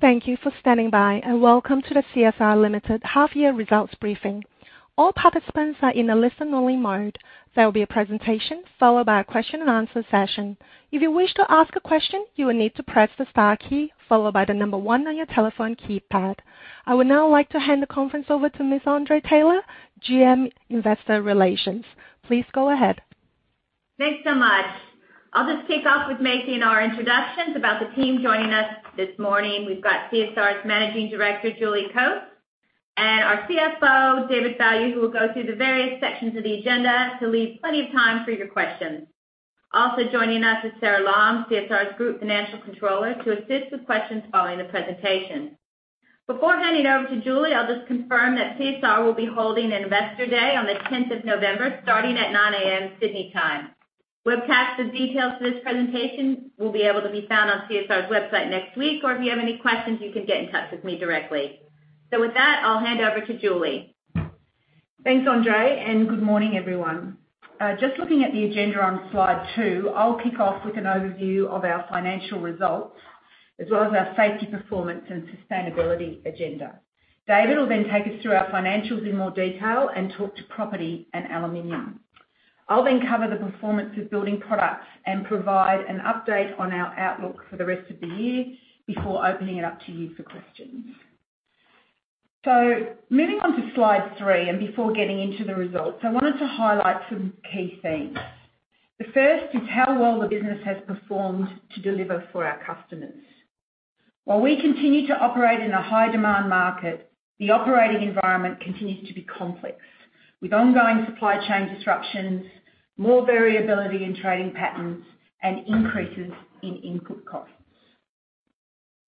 Thank you for standing by, and welcome to the CSR Limited Half Year Results Briefing. All participants are in a listen only mode. There will be a presentation, followed by a question and answer session. If you wish to ask a question, you will need to press the star key followed by the number one on your telephone keypad. I would now like to hand the conference over to Ms. Andrée Taylor, GM Investor Relations. Please go ahead. Thanks so much. I'll just kick off with making our introductions about the team joining us this morning. We've got CSR's Managing Director, Julie Coates, and our CFO, David Fallu, who will go through the various sections of the agenda to leave plenty of time for your questions. Also joining us is Sara Lom, CSR's Group Financial Controller, to assist with questions following the presentation. Before handing over to Julie, I'll just confirm that CSR will be holding an Investor Day on the tenth of November, starting at 9:00 A.M. Sydney time. Webcast and details for this presentation will be able to be found on CSR's website next week, or if you have any questions, you can get in touch with me directly. With that, I'll hand over to Julie. Thanks, Andrée, and good morning, everyone. Just looking at the agenda on slide two, I'll kick off with an overview of our financial results, as well as our safety performance and sustainability agenda. David will then take us through our financials in more detail and talk to property and aluminum. I'll then cover the performance of building products and provide an update on our outlook for the rest of the year before opening it up to you for questions. Moving on to slide three, and before getting into the results, I wanted to highlight some key themes. The first is how well the business has performed to deliver for our customers. While we continue to operate in a high demand market, the operating environment continues to be complex, with ongoing supply chain disruptions, more variability in trading patterns, and increases in input costs.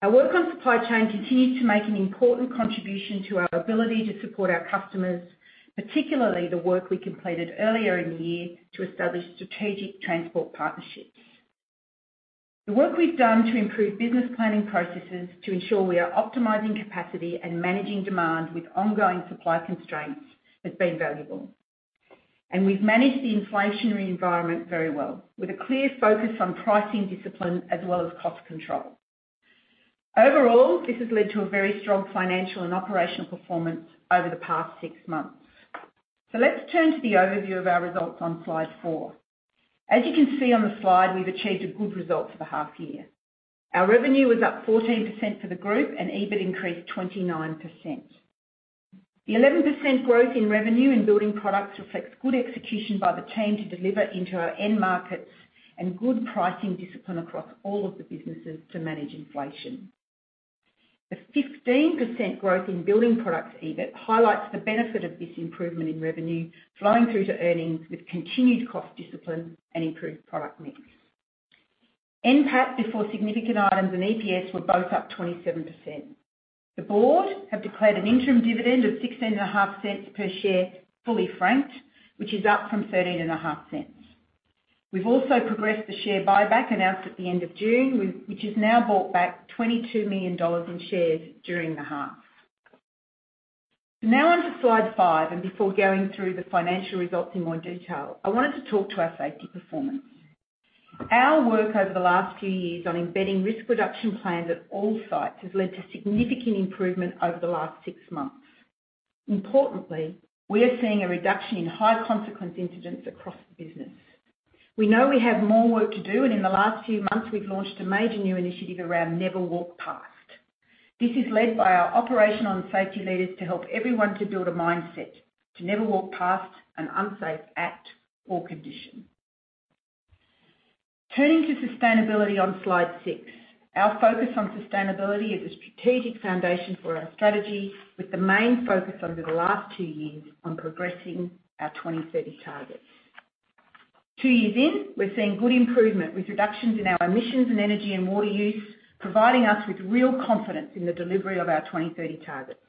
Our work on supply chain continues to make an important contribution to our ability to support our customers, particularly the work we completed earlier in the year to establish strategic transport partnerships. The work we've done to improve business planning processes to ensure we are optimizing capacity and managing demand with ongoing supply constraints has been valuable. We've managed the inflationary environment very well, with a clear focus on pricing discipline as well as cost control. Overall, this has led to a very strong financial and operational performance over the past six months. Let's turn to the overview of our results on slide 4. As you can see on the slide, we've achieved a good result for the half year. Our revenue was up 14% for the group, and EBIT increased 29%. The 11% growth in revenue in building products reflects good execution by the team to deliver into our end markets and good pricing discipline across all of the businesses to manage inflation. The 15% growth in building products EBIT highlights the benefit of this improvement in revenue flowing through to earnings with continued cost discipline and improved product mix. NPAT before significant items and EPS were both up 27%. The board have declared an interim dividend of 0.165 per share, fully franked, which is up from 0.135. We've also progressed the share buyback announced at the end of June, which has now bought back 22 million dollars in shares during the half. Now on to slide five, and before going through the financial results in more detail, I wanted to talk to our safety performance. Our work over the last few years on embedding risk reduction plans at all sites has led to significant improvement over the last six months. Importantly, we are seeing a reduction in high consequence incidents across the business. We know we have more work to do, and in the last few months, we've launched a major new initiative around Never Walk Past. This is led by our operational and safety leaders to help everyone to build a mindset to never walk past an unsafe act or condition. Turning to sustainability on slide 6. Our focus on sustainability is a strategic foundation for our strategy with the main focus over the last two years on progressing our 2030 targets. Two years in, we're seeing good improvement with reductions in our emissions and energy and water use, providing us with real confidence in the delivery of our 2030 targets.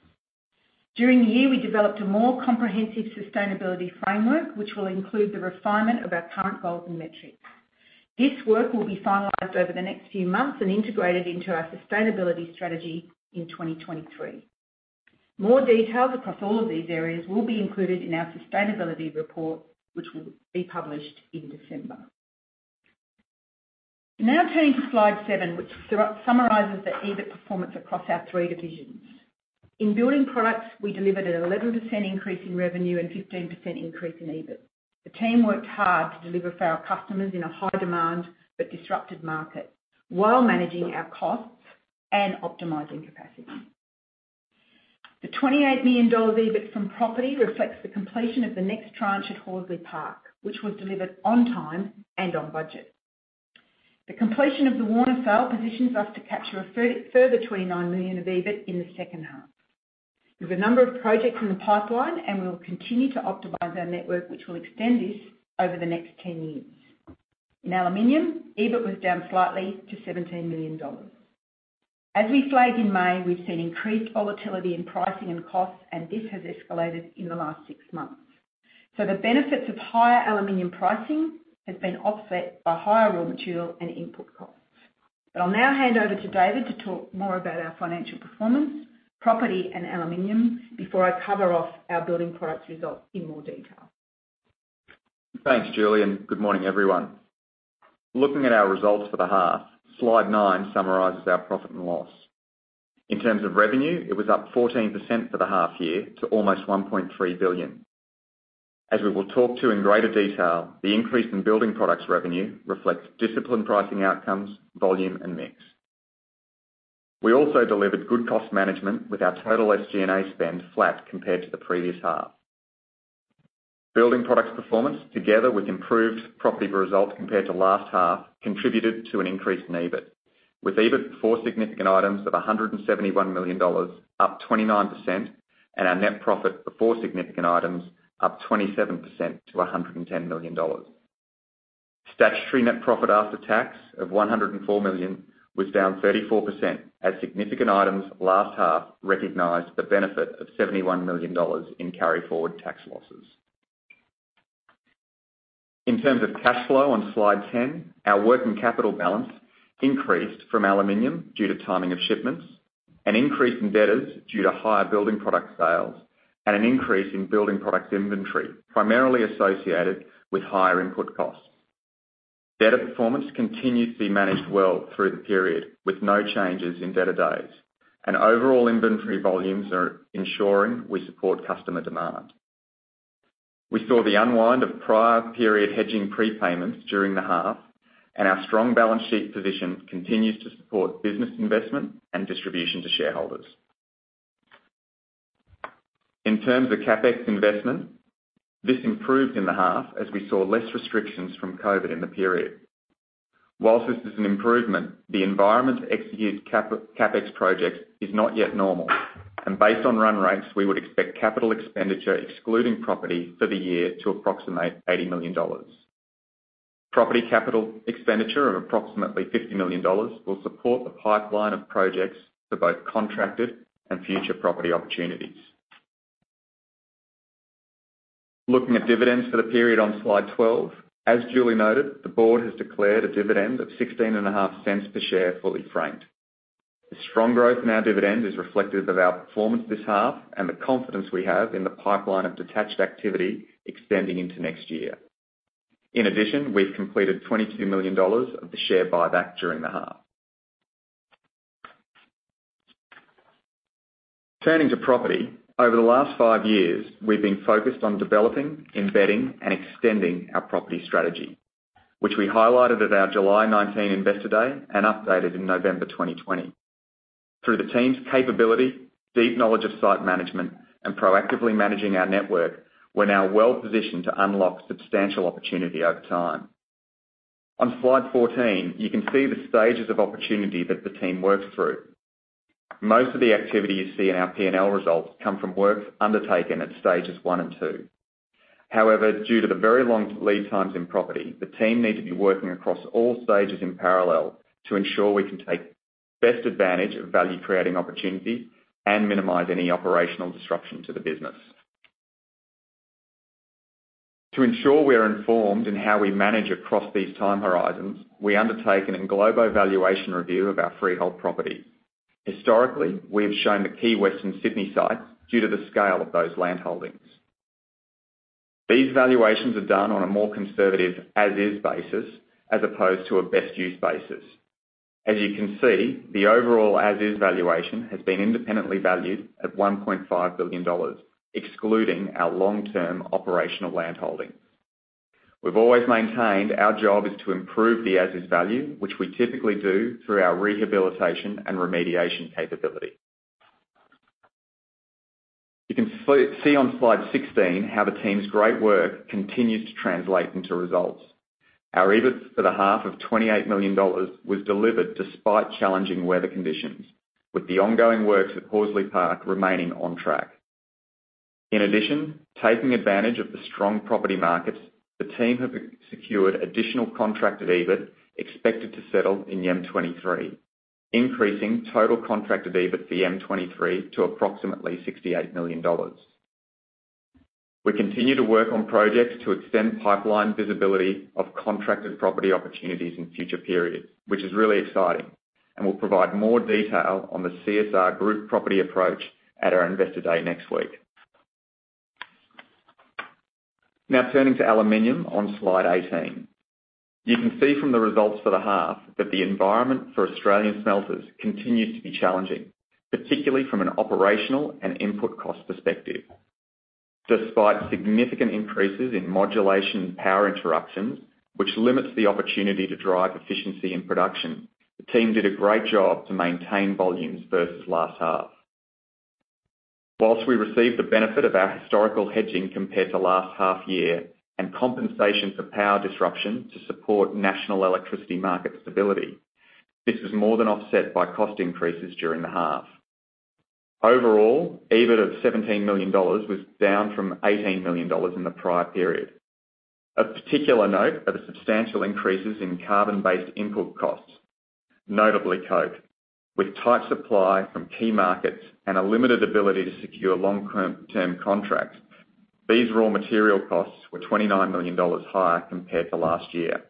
During the year, we developed a more comprehensive sustainability framework, which will include the refinement of our current goals and metrics. This work will be finalized over the next few months and integrated into our sustainability strategy in 2023. More details across all of these areas will be included in our sustainability report, which will be published in December. Now turning to slide 7, which summarizes the EBIT performance across our three divisions. In building products, we delivered an 11% increase in revenue and 15% increase in EBIT. The team worked hard to deliver for our customers in a high demand but disrupted market while managing our costs and optimizing capacity. The 28 million dollars EBIT from property reflects the completion of the next tranche at Horsley Park, which was delivered on time and on budget. The completion of the Warana sale positions us to capture a further 29 million of EBIT in the second half. We have a number of projects in the pipeline, and we will continue to optimize our network, which will extend this over the next 10 years. In aluminum, EBIT was down slightly to 17 million dollars. As we flagged in May, we've seen increased volatility in pricing and costs, and this has escalated in the last six months. The benefits of higher aluminum pricing has been offset by higher raw material and input costs. I'll now hand over to David to talk more about our financial performance, property and aluminum before I cover off our building products results in more detail. Thanks, Julie, and good morning, everyone. Looking at our results for the half, slide 9 summarizes our profit and loss. In terms of revenue, it was up 14% for the half-year to almost 1.3 billion. As we will talk to in greater detail, the increase in building products revenue reflects disciplined pricing outcomes, volume and mix. We also delivered good cost management with our total SG&A spend flat compared to the previous half. Building products performance, together with improved property results compared to last half, contributed to an increase in EBIT, with EBIT before significant items of 171 million dollars, up 29%, and our net profit before significant items up 27% to 110 million dollars. Statutory net profit after tax of 104 million was down 34% as significant items last half recognized the benefit of 71 million dollars in carry forward tax losses. In terms of cash flow on slide 10, our working capital balance increased from Aluminium due to timing of shipments, an increase in debtors due to higher building product sales and an increase in building product inventory, primarily associated with higher input costs. Debtor performance continued to be managed well through the period, with no changes in debtor days, and overall inventory volumes are ensuring we support customer demand. We saw the unwind of prior period hedging prepayments during the half, and our strong balance sheet position continues to support business investment and distribution to shareholders. In terms of CapEx investment, this improved in the half as we saw less restrictions from COVID in the period. Whilst this is an improvement, the environment to execute CapEx projects is not yet normal, and based on run rates, we would expect capital expenditure excluding property for the year to approximate 80 million dollars. Property capital expenditure of approximately 50 million dollars will support the pipeline of projects for both contracted and future property opportunities. Looking at dividends for the period on slide 12. As Julie noted, the board has declared a dividend of 0.165 per share, fully franked. The strong growth in our dividend is reflective of our performance this half and the confidence we have in the pipeline of detached activity extending into next year. In addition, we've completed 22 million dollars of the share buyback during the half. Turning to property. Over the last five years, we've been focused on developing, embedding and extending our property strategy, which we highlighted at our July 2019 Investor Day and updated in November 2020. Through the team's capability, deep knowledge of site management and proactively managing our network, we're now well-positioned to unlock substantial opportunity over time. On slide 14, you can see the stages of opportunity that the team works through. Most of the activity you see in our P&L results come from work undertaken at stages 1 and 2. However, due to the very long lead times in property, the team need to be working across all stages in parallel to ensure we can take best advantage of value-creating opportunity and minimize any operational disruption to the business. To ensure we are informed in how we manage across these time horizons, we undertake an in globo valuation review of our freehold property. Historically, we have shown the key Western Sydney sites due to the scale of those land holdings. These valuations are done on a more conservative as is basis as opposed to a best use basis. As you can see, the overall as is valuation has been independently valued at 1.5 billion dollars, excluding our long-term operational land holding. We've always maintained our job is to improve the as is value, which we typically do through our rehabilitation and remediation capability. You can see on slide 16 how the team's great work continues to translate into results. Our EBIT for the half of AUD 28 million was delivered despite challenging weather conditions, with the ongoing works at Horsley Park remaining on track. In addition, taking advantage of the strong property markets, the team have secured additional contracted EBIT expected to settle in 1H 2023, increasing total contracted EBIT for 1H 2023 to approximately AUD 68 million. We continue to work on projects to extend pipeline visibility of contracted property opportunities in future periods, which is really exciting, and we'll provide more detail on the CSR group property approach at our Investor Day next week. Now turning to aluminum on slide 18. You can see from the results for the half that the environment for Australian smelters continues to be challenging, particularly from an operational and input cost perspective. Despite significant increases in modulation and power interruptions, which limits the opportunity to drive efficiency and production, the team did a great job to maintain volumes versus last half. While we received the benefit of our historical hedging compared to last half year and compensation for power disruption to support national electricity market stability, this was more than offset by cost increases during the half. Overall, EBIT of 17 million dollars was down from 18 million dollars in the prior period. Of particular note are the substantial increases in carbon-based input costs, notably coke. With tight supply from key markets and a limited ability to secure long-term contracts, these raw material costs were 29 million dollars higher compared to last year.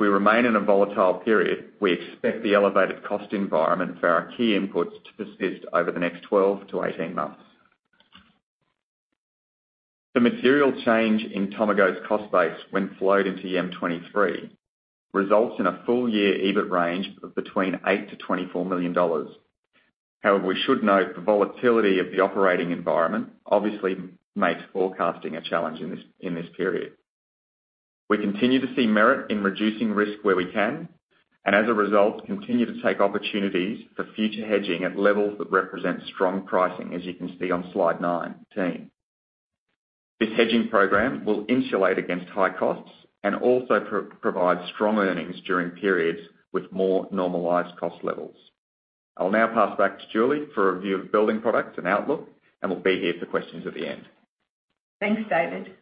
We remain in a volatile period, we expect the elevated cost environment for our key inputs to persist over the next 12 to 18 months. The material change in Tomago's cost base when flowed into 2023 results in a full year EBIT range of between 8 million and 24 million dollars. However, we should note the volatility of the operating environment obviously makes forecasting a challenge in this period. We continue to see merit in reducing risk where we can, and as a result, continue to take opportunities for future hedging at levels that represent strong pricing, as you can see on slide 19. This hedging program will insulate against high costs and also provide strong earnings during periods with more normalized cost levels. I'll now pass back to Julie for a review of building products and outlook, and we'll be here for questions at the end. Thanks, David.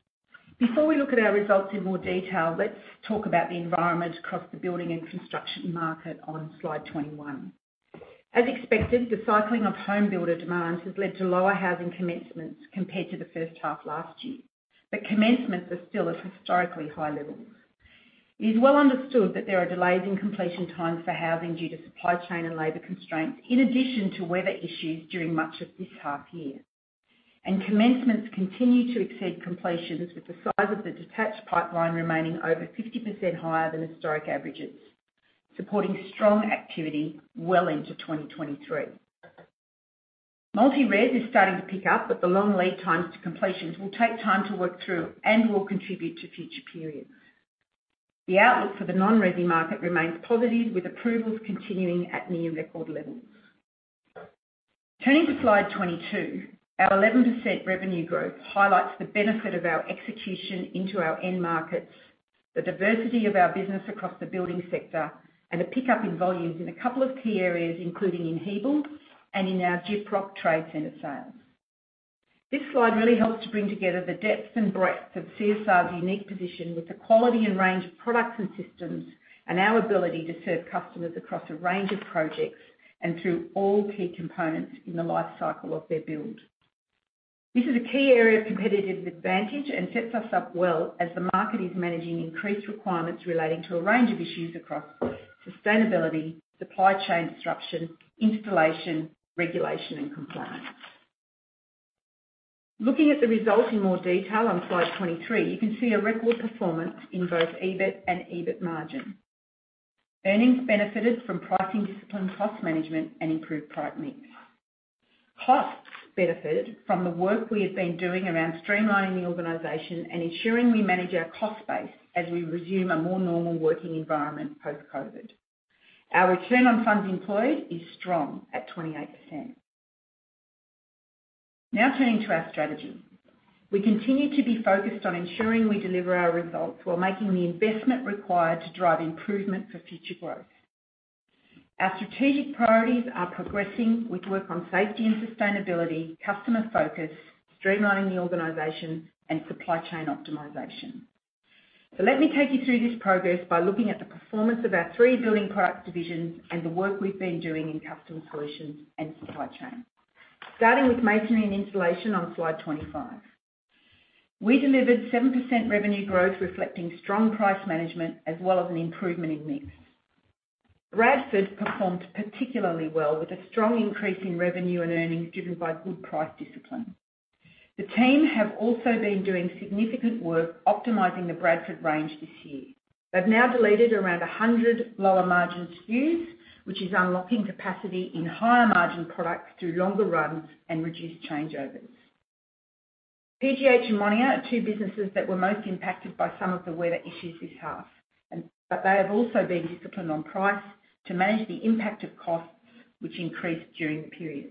Before we look at our results in more detail, let's talk about the environment across the building and construction market on slide 21. As expected, the cycling of home builder demands has led to lower housing commencements compared to the first half last year. The commencements are still at historically high levels. It is well understood that there are delays in completion times for housing due to supply chain and labor constraints, in addition to weather issues during much of this half year. Commencements continue to exceed completions, with the size of the detached pipeline remaining over 50% higher than historic averages, supporting strong activity well into 2023. Multi-res is starting to pick up, but the long lead times to completions will take time to work through and will contribute to future periods. The outlook for the non-resi market remains positive, with approvals continuing at near-record levels. Turning to slide 22, our 11% revenue growth highlights the benefit of our execution into our end markets, the diversity of our business across the building sector, and a pickup in volumes in a couple of key areas, including in Hebel and in our Gyprock Trade Centre sales. This slide really helps to bring together the depth and breadth of CSR's unique position with the quality and range of products and systems, and our ability to serve customers across a range of projects and through all key components in the life cycle of their build. This is a key area of competitive advantage and sets us up well as the market is managing increased requirements relating to a range of issues across sustainability, supply chain disruption, installation, regulation, and compliance. Looking at the results in more detail on slide 23, you can see a record performance in both EBIT and EBIT margin. Earnings benefited from pricing discipline, cost management, and improved product mix. Costs benefited from the work we have been doing around streamlining the organization and ensuring we manage our cost base as we resume a more normal working environment post-COVID. Our return on funds employed is strong at 28%. Now turning to our strategy. We continue to be focused on ensuring we deliver our results while making the investment required to drive improvement for future growth. Our strategic priorities are progressing with work on safety and sustainability, customer focus, streamlining the organization, and supply chain optimization. Let me take you through this progress by looking at the performance of our three building product divisions and the work we've been doing in custom solutions and supply chain. Starting with masonry and insulation on slide 25. We delivered 7% revenue growth, reflecting strong price management as well as an improvement in mix. Bradford performed particularly well with a strong increase in revenue and earnings given by good price discipline. The team have also been doing significant work optimizing the Bradford range this year. They've now deleted around 100 lower margin SKUs, which is unlocking capacity in higher margin products through longer runs and reduced changeovers. PGH and Monier are two businesses that were most impacted by some of the weather issues this half, but they have also been disciplined on price to manage the impact of costs which increased during the period.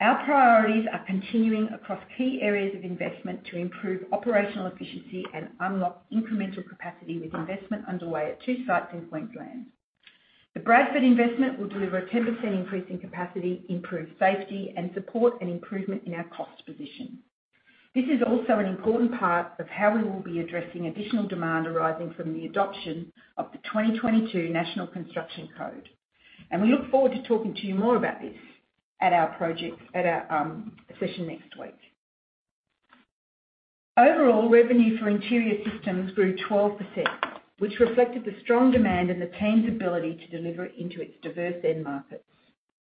Our priorities are continuing across key areas of investment to improve operational efficiency and unlock incremental capacity with investment underway at 2 sites in Queensland. The Bradford investment will deliver a 10% increase in capacity, improve safety, and support an improvement in our cost position. This is also an important part of how we will be addressing additional demand arising from the adoption of the 2022 National Construction Code, and we look forward to talking to you more about this at our session next week. Overall, revenue for Interior Systems grew 12%, which reflected the strong demand and the team's ability to deliver into its diverse end markets.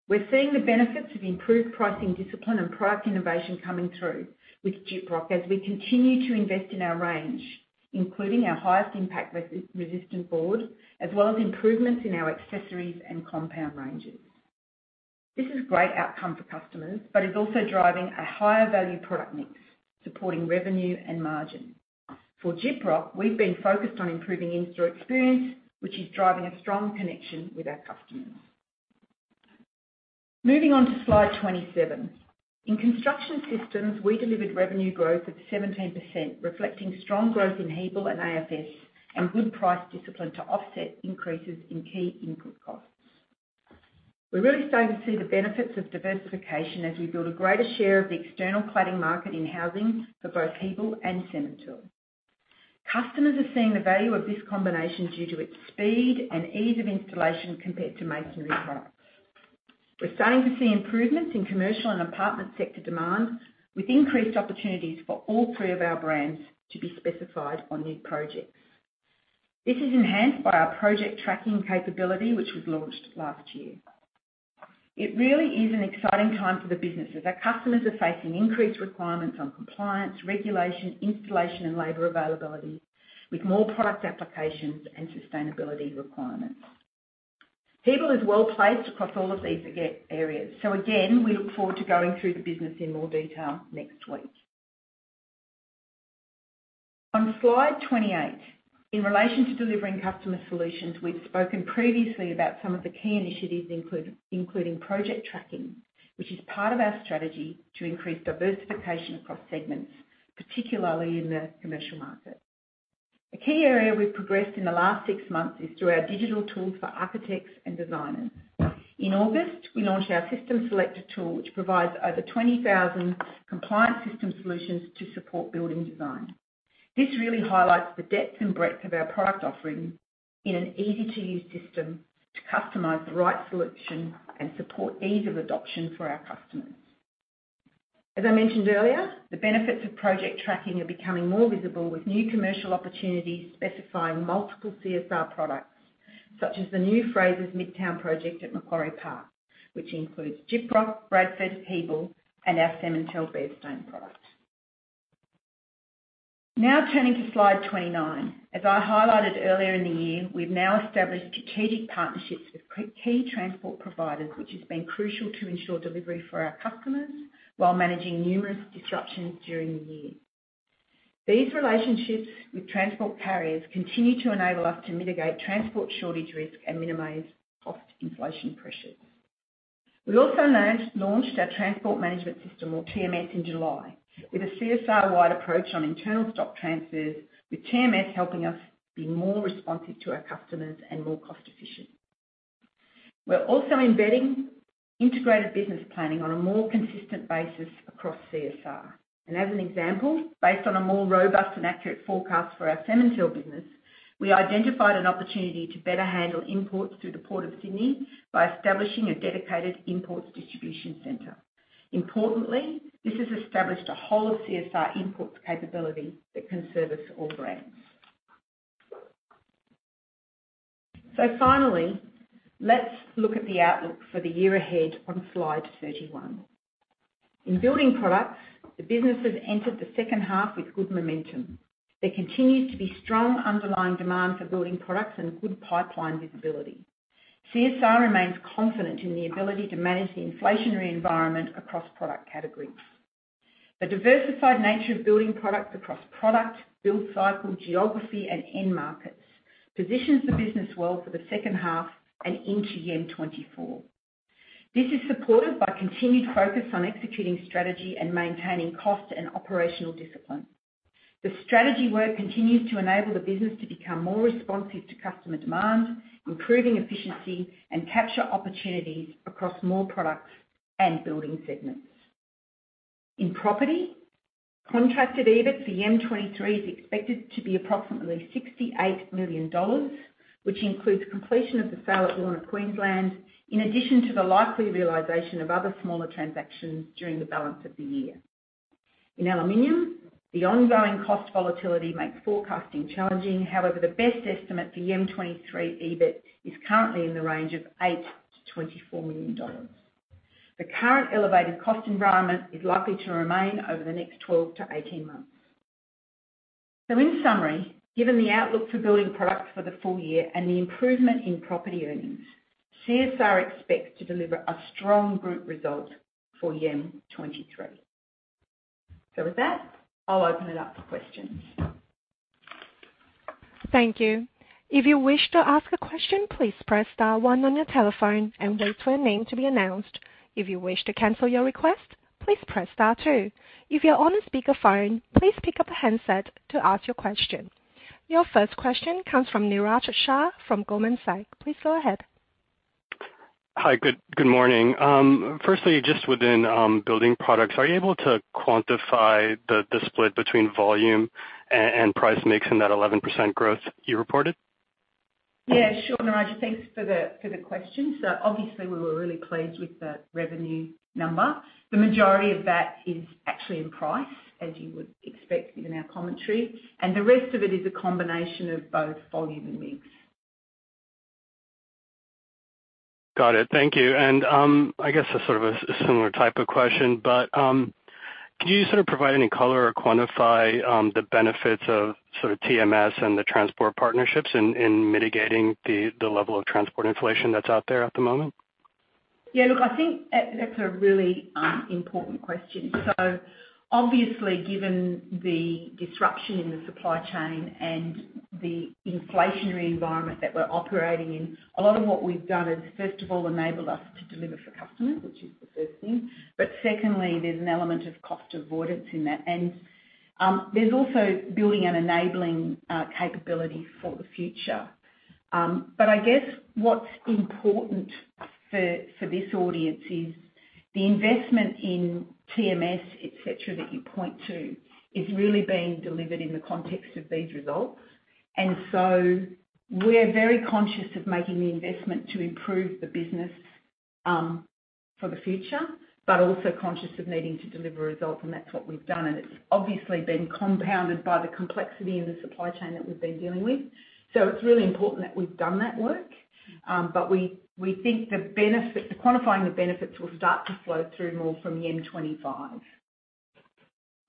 We're seeing the benefits of improved pricing discipline and product innovation coming through with Gyprock as we continue to invest in our range, including our highest impact resi-resistant board, as well as improvements in our accessories and compound ranges. This is a great outcome for customers, but is also driving a higher value product mix, supporting revenue and margin. For Gyprock, we've been focused on improving in-store experience, which is driving a strong connection with our customers. Moving on to slide 27. In Construction Systems, we delivered revenue growth of 17%, reflecting strong growth in Hebel and AFS and good price discipline to offset increases in key input costs. We're really starting to see the benefits of diversification as we build a greater share of the external cladding market in housing for both Hebel and Cemintel. Customers are seeing the value of this combination due to its speed and ease of installation compared to masonry products. We're starting to see improvements in commercial and apartment sector demand, with increased opportunities for all three of our brands to be specified on new projects. This is enhanced by our project tracking capability, which was launched last year. It really is an exciting time for the business as our customers are facing increased requirements on compliance, regulation, installation and labor availability, with more product applications and sustainability requirements. Hebel is well-placed across all of these areas. Again, we look forward to going through the business in more detail next week. On slide 28, in relation to delivering customer solutions, we've spoken previously about some of the key initiatives including project tracking, which is part of our strategy to increase diversification across segments, particularly in the commercial market. A key area we've progressed in the last six months is through our digital tools for architects and designers. In August, we launched our System Selector tool, which provides over 20,000 compliant system solutions to support building design. This really highlights the depth and breadth of our product offering in an easy-to-use system to customize the right solution and support ease of adoption for our customers. As I mentioned earlier, the benefits of project tracking are becoming more visible, with new commercial opportunities specifying multiple CSR products, such as the new Frasers Property's Midtown project at Macquarie Park, which includes Gyprock, Bradford, Hebel and our Cemintel Barestone product. Now turning to slide 29. As I highlighted earlier in the year, we've now established strategic partnerships with key transport providers, which has been crucial to ensure delivery for our customers while managing numerous disruptions during the year. These relationships with transport carriers continue to enable us to mitigate transport shortage risk and minimize cost inflation pressures. We also launched our Transport Management System, or TMS, in July, with a CSR-wide approach on internal stock transfers, with TMS helping us be more responsive to our customers and more cost efficient. We're also embedding integrated business planning on a more consistent basis across CSR. As an example, based on a more robust and accurate forecast for our Cemintel business, we identified an opportunity to better handle imports through the Port of Sydney by establishing a dedicated imports distribution center. Importantly, this has established a whole of CSR imports capability that can service all brands. Finally, let's look at the outlook for the year ahead on slide 31. In Building Products, the business has entered the second half with good momentum. There continues to be strong underlying demand for Building Products and good pipeline visibility. CSR remains confident in the ability to manage the inflationary environment across product categories. The diversified nature of Building Products across product, build cycle, geography and end markets positions the business well for the second half and into 1H 2024. This is supported by continued focus on executing strategy and maintaining cost and operational discipline. The strategy work continues to enable the business to become more responsive to customer demand, improving efficiency, and capture opportunities across more products and building segments. In Property, contracted EBIT for 1H 2023 is expected to be approximately 68 million dollars, which includes completion of the sale at Warana, Queensland, in addition to the likely realization of other smaller transactions during the balance of the year. In Aluminum, the ongoing cost volatility makes forecasting challenging. However, the best estimate for 1H 2023 EBIT is currently in the range of 8 million-24 million dollars. The current elevated cost environment is likely to remain over the next 12-18 months. In summary, given the outlook for Building Products for the full year and the improvement in Property earnings, CSR expects to deliver a strong group result for 1H 2023. With that, I'll open it up for questions. Thank you. If you wish to ask a question, please press star one on your telephone and wait for your name to be announced. If you wish to cancel your request, please press star two. If you're on a speakerphone, please pick up a handset to ask your question. Your first question comes from Niraj Shah from Goldman Sachs. Please go ahead. Hi, good morning. Firstly, just within Building Products, are you able to quantify the split between volume and price mix in that 11% growth you reported? Yeah, sure, Niraj. Thanks for the question. Obviously, we were really pleased with the revenue number. The majority of that is actually in price, as you would expect, given our commentary, and the rest of it is a combination of both volume and mix. Got it. Thank you. I guess a sort of similar type of question, but can you sort of provide any color or quantify the benefits of sort of TMS and the transport partnerships in mitigating the level of transport inflation that's out there at the moment? Yeah, look, I think that's a really important question. Obviously, given the disruption in the supply chain and the inflationary environment that we're operating in, a lot of what we've done is, first of all, enabled us to deliver for customers, which is the first thing, but secondly, there's an element of cost avoidance in that. There's also building an enabling capability for the future. I guess what's important for this audience is the investment in TMS, et cetera, that you point to is really being delivered in the context of these results. We're very conscious of making the investment to improve the business for the future, but also conscious of needing to deliver results, and that's what we've done. It's obviously been compounded by the complexity in the supply chain that we've been dealing with. It's really important that we've done that work, but we think quantifying the benefits will start to flow through more from year 25.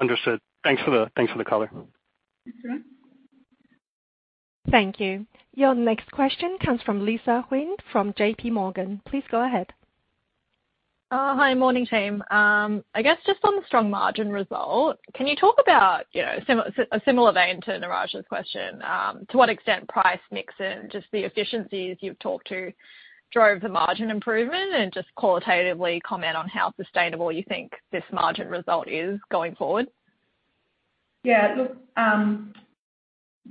Understood. Thanks for the color. Mm-hmm. Thank you. Your next question comes from Lisa Huynh from JPMorgan. Please go ahead. Hi. Morning, team. I guess just on the strong margin result, can you talk about, you know, similar vein to Niraj's question, to what extent price mixing, just the efficiencies you've talked about drove the margin improvement? Just qualitatively comment on how sustainable you think this margin result is going forward. Yeah. Look,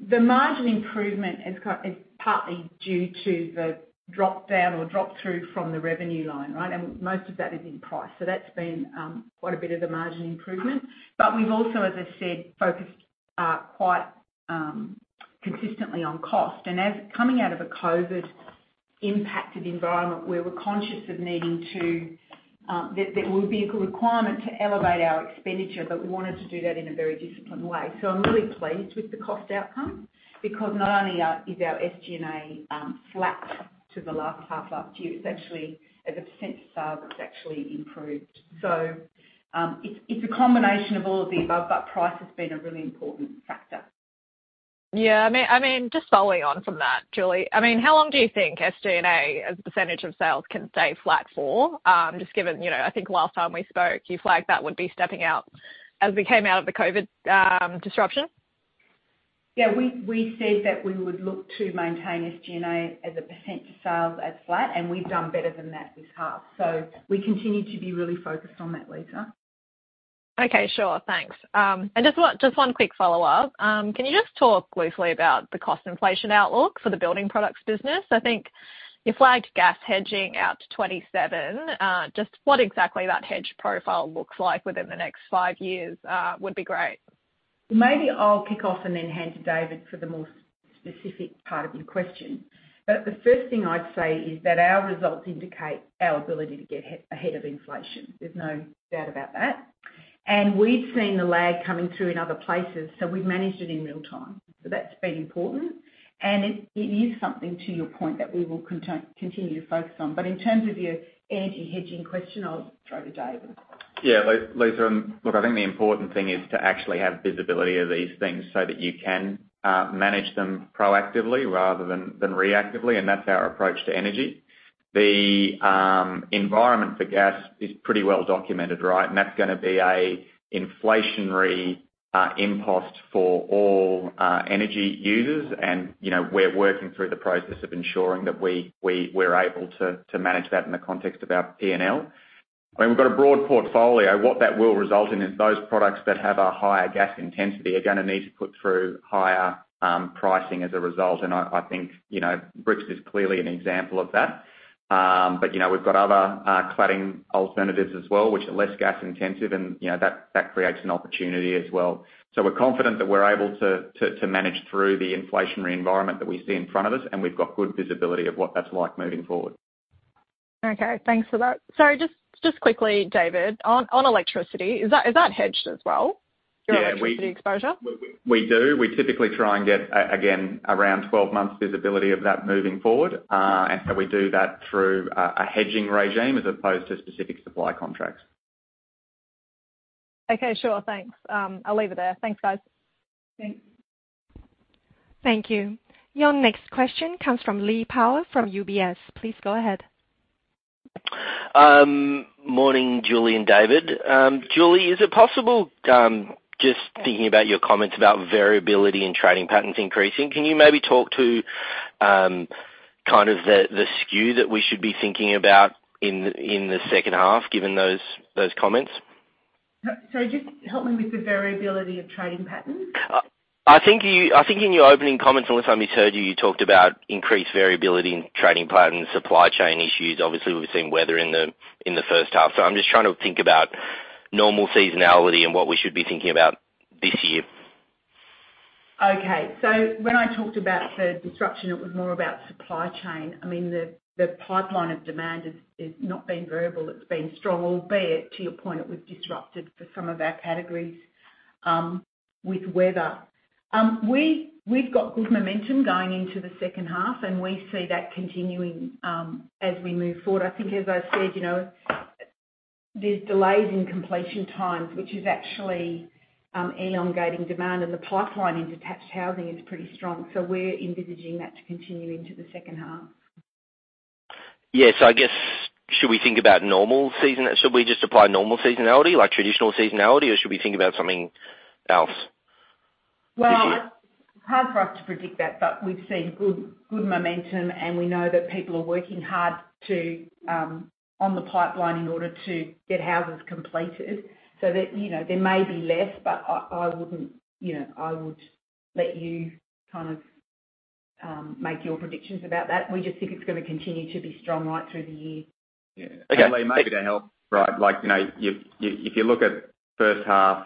the margin improvement is partly due to the drop-down or drop-through from the revenue line, right? Most of that is in price. That's been quite a bit of the margin improvement. We've also, as I said, focused quite consistently on cost. Coming out of a COVID-impacted environment, we were conscious that there would be a requirement to elevate our expenditure, but we wanted to do that in a very disciplined way. I'm really pleased with the cost outcome because not only is our SG&A flat to the last half last year, it's actually, as a percent of sales, it's actually improved. It's a combination of all of the above, but price has been a really important factor. Yeah. I mean, just following on from that, Julie. I mean, how long do you think SG&A, as a percentage of sales, can stay flat for? Just given, you know, I think last time we spoke, you flagged that would be stepping out as we came out of the COVID disruption. Yeah. We said that we would look to maintain SG&A as a percent of sales at flat, and we've done better than that this half. We continue to be really focused on that, Lisa. Okay. Sure. Thanks. Just one quick follow-up. Can you just talk briefly about the cost inflation outlook for the Building Products business? I think you flagged gas hedging out to 27. Just what exactly that hedge profile looks like within the next five years would be great. Maybe I'll kick off and then hand to David for the more specific part of your question. The first thing I'd say is that our results indicate our ability to get ahead of inflation. There's no doubt about that. We've seen the lag coming through in other places, so we've managed it in real time. That's been important. It is something to your point that we will continue to focus on. In terms of your energy hedging question, I'll throw to David. Yeah. Lisa, look, I think the important thing is to actually have visibility of these things so that you can manage them proactively rather than reactively, and that's our approach to energy. The environment for gas is pretty well documented, right? That's gonna be an inflationary impost for all energy users. You know, we're working through the process of ensuring that we're able to manage that in the context of our P&L. I mean, we've got a broad portfolio. What that will result in is those products that have a higher gas intensity are gonna need to put through higher pricing as a result. I think, you know, bricks is clearly an example of that. You know, we've got other cladding alternatives as well, which are less gas intensive and, you know, that creates an opportunity as well. We're confident that we're able to manage through the inflationary environment that we see in front of us, and we've got good visibility of what that's like moving forward. Okay, thanks for that. Sorry, just quickly, David, on electricity, is that hedged as well? Yeah. Your electricity exposure? We do. We typically try and get around 12 months visibility of that moving forward. We do that through a hedging regime as opposed to specific supply contracts. Okay, sure. Thanks. I'll leave it there. Thanks, guys. Thanks. Thank you. Your next question comes from Lee Power from UBS. Please go ahead. Morning, Julie and David. Julie, is it possible, just thinking about your comments about variability in trading patterns increasing, can you maybe talk to kind of the skew that we should be thinking about in the second half, given those comments? Sorry, just help me with the variability of trading patterns. I think in your opening comments, the last time we heard you talked about increased variability in trading patterns, supply chain issues. Obviously, we've seen weather in the first half. I'm just trying to think about normal seasonality and what we should be thinking about this year. Okay. When I talked about the disruption, it was more about supply chain. I mean, the pipeline of demand has not been variable, it's been strong, albeit to your point, it was disrupted for some of our categories with weather. We've got good momentum going into the second half, and we see that continuing as we move forward. I think, as I said, you know, there's delays in completion times, which is actually elongating demand, and the pipeline in detached housing is pretty strong. We're envisaging that to continue into the second half. Yes. I guess, should we just apply normal seasonality, like traditional seasonality, or should we think about something else this year? Well, hard for us to predict that, but we've seen good momentum, and we know that people are working hard on the pipeline in order to get houses completed so that, you know, there may be less, but I wouldn't, you know, I would let you make your predictions about that. We just think it's gonna continue to be strong right through the year. Yeah. Okay. Lee, maybe to help, right, like, you know, if you look at first half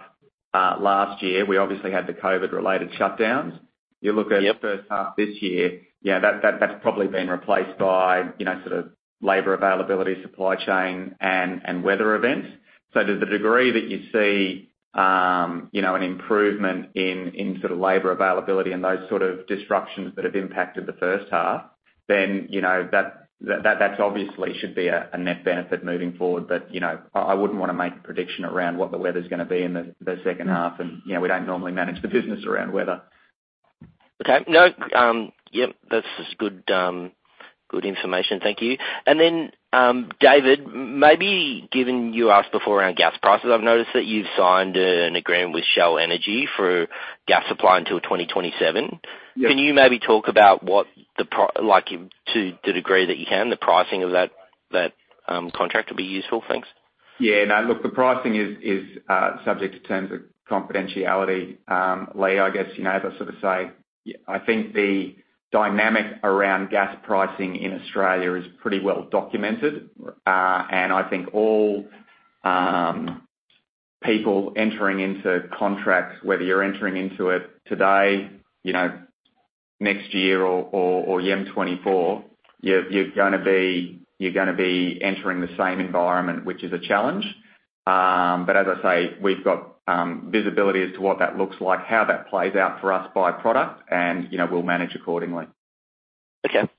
last year, we obviously had the COVID-related shutdowns. Yep. You look at the first half this year, you know, that's probably been replaced by, you know, sort of labor availability, supply chain, and weather events. To the degree that you see, you know, an improvement in sort of labor availability and those sort of disruptions that have impacted the first half, then, you know, that's obviously should be a net benefit moving forward. You know, I wouldn't wanna make a prediction around what the weather's gonna be in the second half. You know, we don't normally manage the business around weather. Okay. No. Yep, that's just good information. Thank you. David, maybe given you asked before around gas prices, I've noticed that you've signed an agreement with Shell Energy for gas supply until 2027. Yeah. Can you maybe talk about what, like, to the degree that you can, the pricing of that contract would be useful? Thanks. Yeah, no, look, the pricing is subject to terms of confidentiality. Lee, I guess, you know, as I sort of say, I think the dynamic around gas pricing in Australia is pretty well documented. I think all people entering into contracts, whether you're entering into it today, you know, next year or FY 2024, you're gonna be entering the same environment, which is a challenge. As I say, we've got visibility as to what that looks like, how that plays out for us by product, and, you know, we'll manage accordingly. Okay.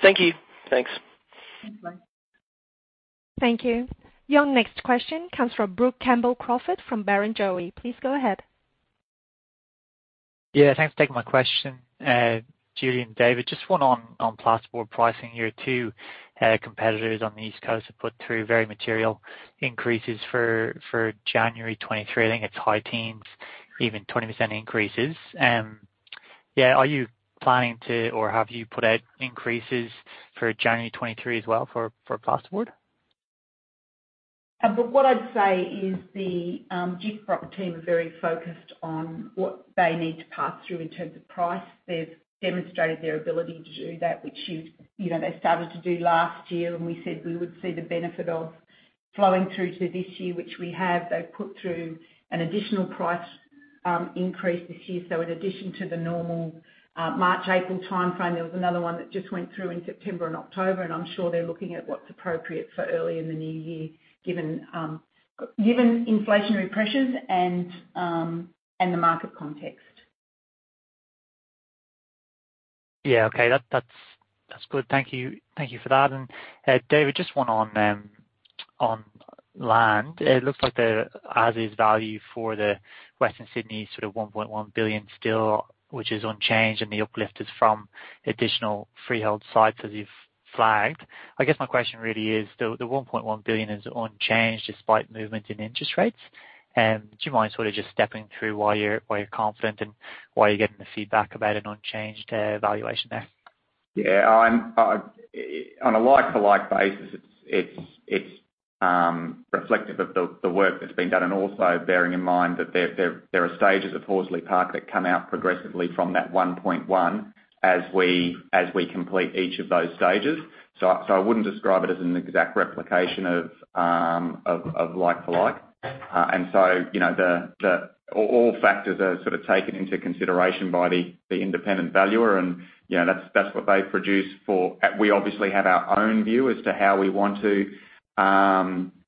Thank you. Thanks. Thanks, Lee. Thank you. Your next question comes from Brook Campbell-Crawford from Barrenjoey. Please go ahead. Yeah, thanks for taking my question. Julie and David, just one on plasterboard pricing here too. Competitors on the East Coast have put through very material increases for January 2023. I think it's high teens, even 20% increases. Yeah, are you planning to, or have you put out increases for January 2023 as well for plasterboard? What I'd say is the Gyprock team are very focused on what they need to pass through in terms of price. They've demonstrated their ability to do that, which you know they started to do last year when we said we would see the benefit of flowing through to this year, which we have. They've put through an additional price increase this year. In addition to the normal March, April timeframe, there was another one that just went through in September and October, and I'm sure they're looking at what's appropriate for early in the new year, given inflationary pressures and the market context. Yeah. Okay. That's good. Thank you. Thank you for that. David, maybe just one on land. It looks like the as is value for the Western Sydney is sort of 1.1 billion still, which is unchanged, and the uplift is from additional freehold sites as you've flagged. I guess my question really is, the 1.1 billion, is it unchanged despite movement in interest rates? Do you mind sort of just stepping through why you're confident and why you're getting the feedback about an unchanged valuation there? Yeah, I'm on a like-for-like basis, it's reflective of the work that's been done, and also bearing in mind that there are stages of Horsley Park that come out progressively from that 1.1 as we complete each of those stages. I wouldn't describe it as an exact replication of like-for-like. You know, all factors are sort of taken into consideration by the independent valuer and, you know, that's what they produce for. We obviously have our own view as to how we want to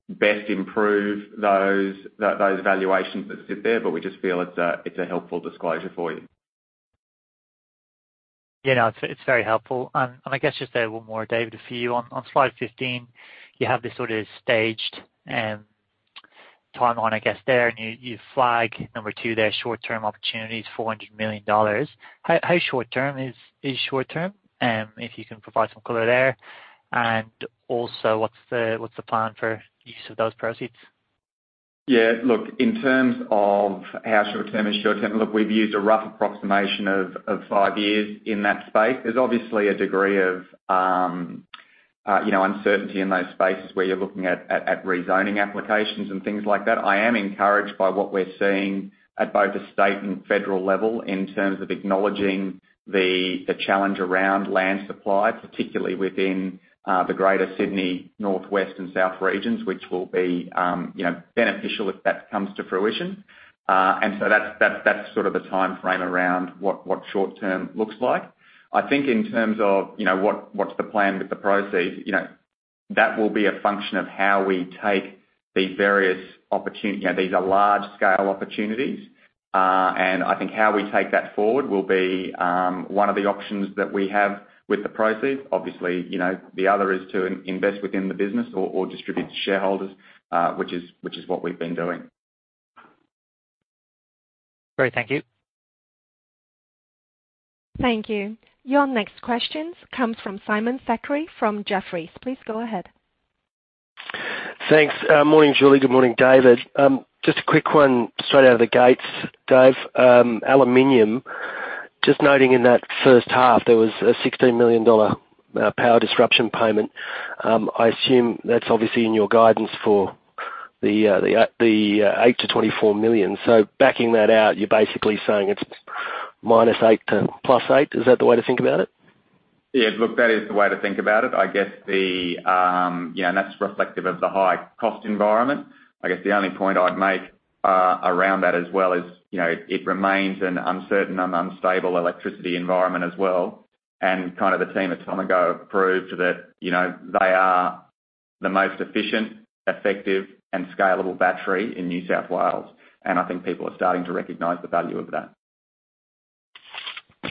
best improve those valuations that sit there, but we just feel it's a helpful disclosure for you. Yeah, no, it's very helpful. I guess just one more, David, for you. On slide 15, you have this sort of staged timeline, I guess there, and you flag number 2 there, short-term opportunities, 400 million dollars. How short-term is short-term? If you can provide some color there. Also what's the plan for use of those proceeds? Yeah, look, in terms of how short-term is short-term, look, we've used a rough approximation of 5 years in that space. There's obviously a degree of you know, uncertainty in those spaces where you're looking at rezoning applications and things like that. I am encouraged by what we're seeing at both the state and federal level in terms of acknowledging the challenge around land supply, particularly within the Greater Sydney north, west, and south regions, which will be you know, beneficial if that comes to fruition. That's sort of the timeframe around what short-term looks like. I think in terms of you know, what's the plan with the proceeds, you know, that will be a function of how we take these various opportunities. You know, these are large scale opportunities. I think how we take that forward will be one of the options that we have with the proceeds. Obviously, you know, the other is to invest within the business or distribute to shareholders, which is what we've been doing. Great. Thank you. Thank you. Your next question comes from Simon Thackray from Jefferies. Please go ahead. Thanks. Morning, Julie. Good morning, David. Just a quick one straight out of the gates, Dave. Aluminum, just noting in that first half, there was a 16 million dollar power disruption payment. I assume that's obviously in your guidance for the 8 million-24 million. Backing that out, you're basically saying it's -8 million to +8 million. Is that the way to think about it? Yeah, look, that is the way to think about it. Yeah, that's reflective of the high cost environment. I guess the only point I'd make around that as well is, you know, it remains an uncertain and unstable electricity environment as well, and kind of the team at Tomago proved that, you know, they are the most efficient, effective, and scalable battery in New South Wales, and I think people are starting to recognize the value of that.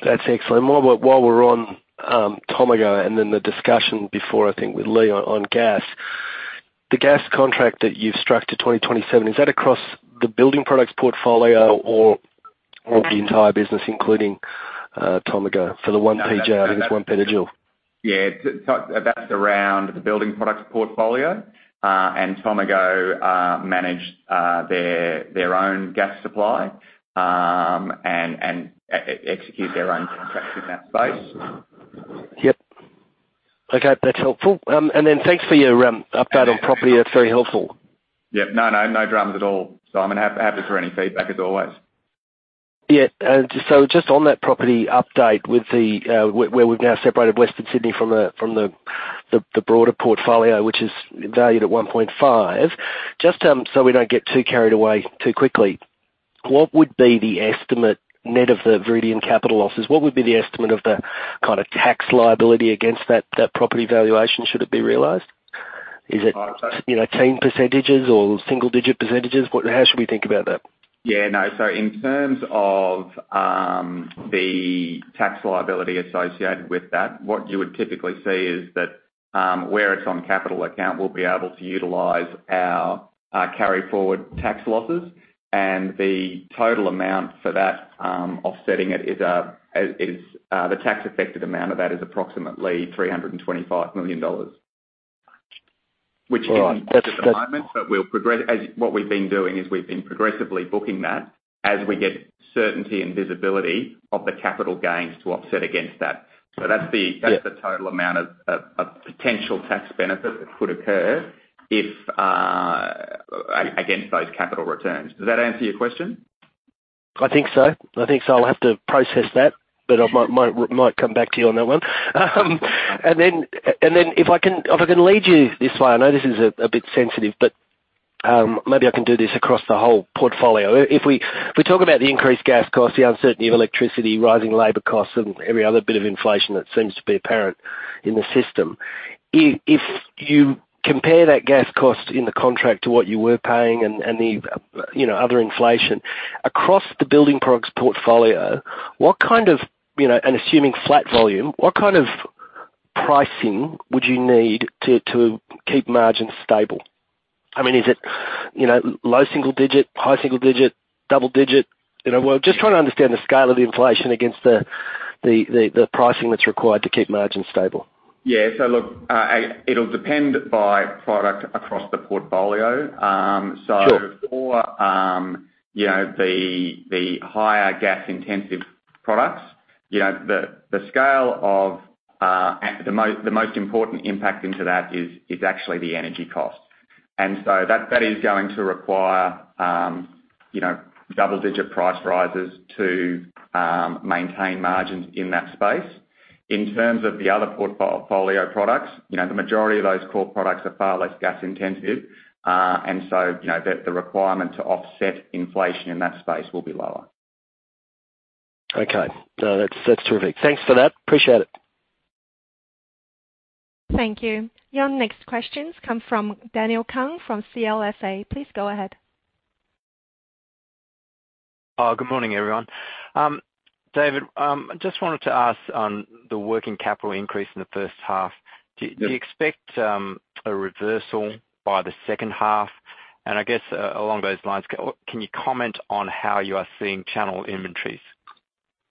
That's excellent. While we're on Tomago, and then the discussion before, I think with Lee on gas. The gas contract that you've struck to 2027, is that across the building products portfolio or the entire business, including Tomago for the one PJ, I think it's one petajoule? Yeah. That's around the building products portfolio. Tomago manage their own gas supply, and execute their own contracts in that space. Yep. Okay, that's helpful. Thanks for your update on property. That's very helpful. Yep. No, no dramas at all, Simon. Happy for any feedback, as always. Just on that property update, where we've now separated Western Sydney from the broader portfolio, which is valued at 1.5. We don't get too carried away too quickly, what would be the estimate net of the Viridian capital losses? What would be the estimate of the kinda tax liability against that property valuation should it be realized? Right. Is it, you know, teen percentages or single-digit percentages? What, how should we think about that? Yeah, no. In terms of the tax liability associated with that, what you would typically see is that where it's on capital account, we'll be able to utilize our carry-forward tax losses and the total amount for that offsetting it is the tax effective amount of that is approximately 325 million dollars. Which isn't. Right. That's. At the moment, but we'll progress. As what we've been doing is, we've been progressively booking that as we get certainty and visibility of the capital gains to offset against that. Yeah. That's the total amount of potential tax benefit that could occur if against those capital returns. Does that answer your question? I think so. I think so. I'll have to process that, but I might come back to you on that one. If I can lead you this way, I know this is a bit sensitive, but maybe I can do this across the whole portfolio. If we talk about the increased gas costs, the uncertainty of electricity, rising labor costs and every other bit of inflation that seems to be apparent in the system, if you compare that gas cost in the contract to what you were paying and the, you know, other inflation across the building products portfolio, what kind of pricing would you need to keep margins stable? You know, assuming flat volume. I mean, is it low single-digit%, high single-digit%, double-digit%? You know, we're just trying to understand the scale of the inflation against the pricing that's required to keep margins stable. Look, it'll depend by product across the portfolio. Sure For you know, the higher gas intensive products, you know, the scale of the most important impact into that is actually the energy cost. That is going to require, you know, double digit price rises to maintain margins in that space. In terms of the other portfolio products, you know, the majority of those core products are far less gas intensive. You know, the requirement to offset inflation in that space will be lower. Okay. No, that's terrific. Thanks for that. Appreciate it. Thank you. Your next questions come from Daniel Kang from CLSA. Please go ahead. Oh, good morning, everyone. David, just wanted to ask on the working capital increase in the first half. Yeah. Do you expect a reversal by the second half? I guess along those lines, can you comment on how you are seeing channel inventories?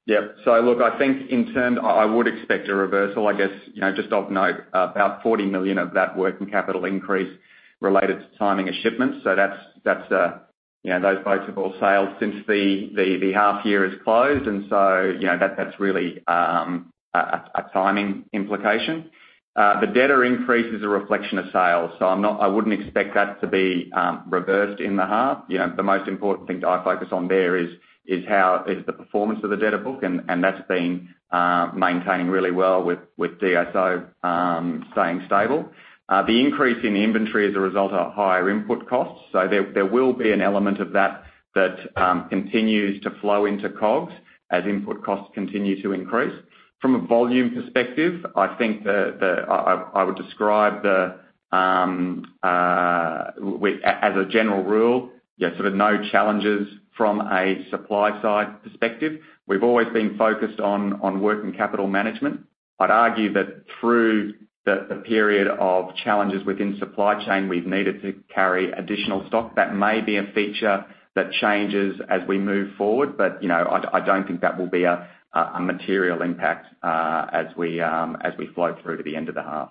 Yeah. Look, I think in turn I would expect a reversal, I guess, you know, just of note, about 40 million of that working capital increase related to timing of shipments. That's, you know, those boats have all sailed since the half year is closed. You know, that's really a timing implication. The debtor increase is a reflection of sales, so I'm not I wouldn't expect that to be reversed in the half. You know, the most important thing I focus on there is how the performance of the debtor book and that's been maintained really well with DSO staying stable. The increase in inventory as a result of higher input costs. There will be an element of that that continues to flow into COGS as input costs continue to increase. From a volume perspective, I think I would describe as a general rule, yeah, sort of no challenges from a supply side perspective. We've always been focused on working capital management. I'd argue that through the period of challenges within supply chain, we've needed to carry additional stock. That may be a feature that changes as we move forward, but you know, I don't think that will be a material impact as we flow through to the end of the half.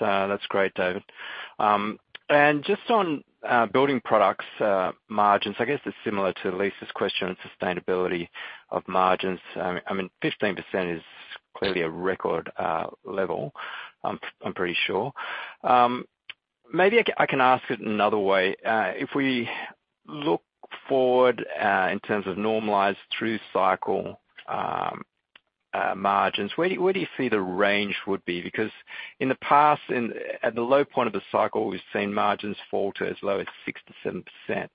That's great, David. Just on building products margins, I guess it's similar to Lisa's question on sustainability of margins. I mean 15% is clearly a record level, I'm pretty sure. Maybe I can ask it another way. If we look forward in terms of normalized through cycle margins, where do you see the range would be? Because in the past, at the low point of the cycle, we've seen margins fall to as low as 6%-7%.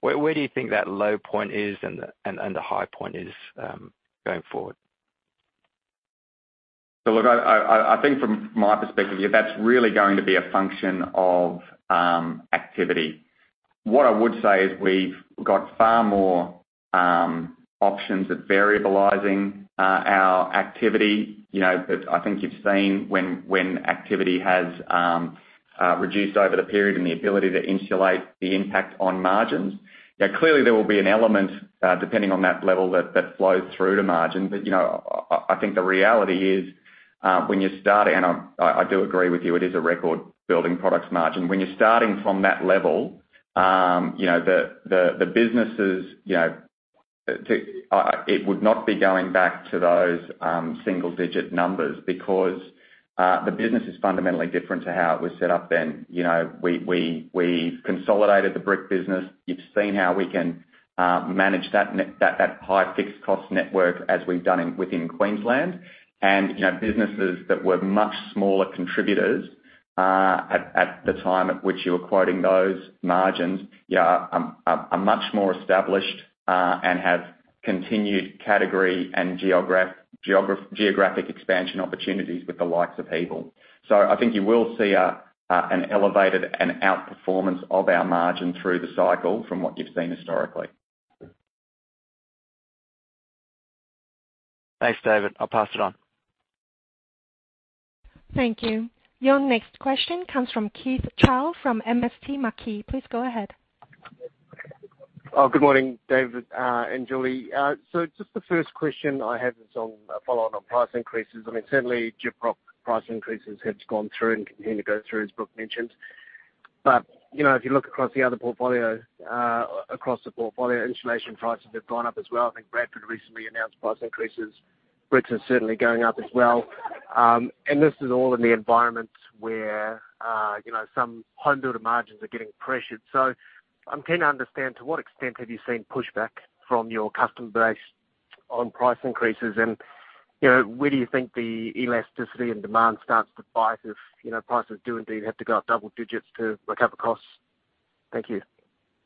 Where do you think that low point is and the high point is going forward? Look, I think from my perspective, that's really going to be a function of activity. What I would say is we've got far more options of variabilizing our activity, you know, that I think you've seen when activity has reduced over the period and the ability to insulate the impact on margins. Now, clearly, there will be an element depending on that level that flows through to margin. You know, I think the reality is, when you start and I do agree with you, it is a record building products margin. When you're starting from that level, you know, the businesses, you know, it would not be going back to those single digit numbers because the business is fundamentally different to how it was set up then. You know, we consolidated the brick business. You've seen how we can manage that high fixed cost network as we've done within Queensland. You know, businesses that were much smaller contributors at the time at which you were quoting those margins, you know, are much more established and have continued category and geographic expansion opportunities with the likes of Hebel. I think you will see an elevated and outperformance of our margin through the cycle from what you've seen historically. Thanks, David. I'll pass it on. Thank you. Your next question comes from Keith Chau from MST Marquee. Please go ahead. Good morning, David and Julie. Just the first question I have is on a follow-on on price increases. I mean, certainly Gyprock price increases have gone through and continue to go through, as Brooke mentioned. You know, if you look across the other portfolio, across the portfolio, insulation prices have gone up as well. I think Bradford recently announced price increases. Bricks are certainly going up as well. This is all in the environment where, you know, some home builder margins are getting pressured. I'm keen to understand to what extent have you seen pushback from your customer base on price increases. You know, where do you think the elasticity and demand starts to bite if, you know, prices do indeed have to go up double digits to recover costs. Thank you.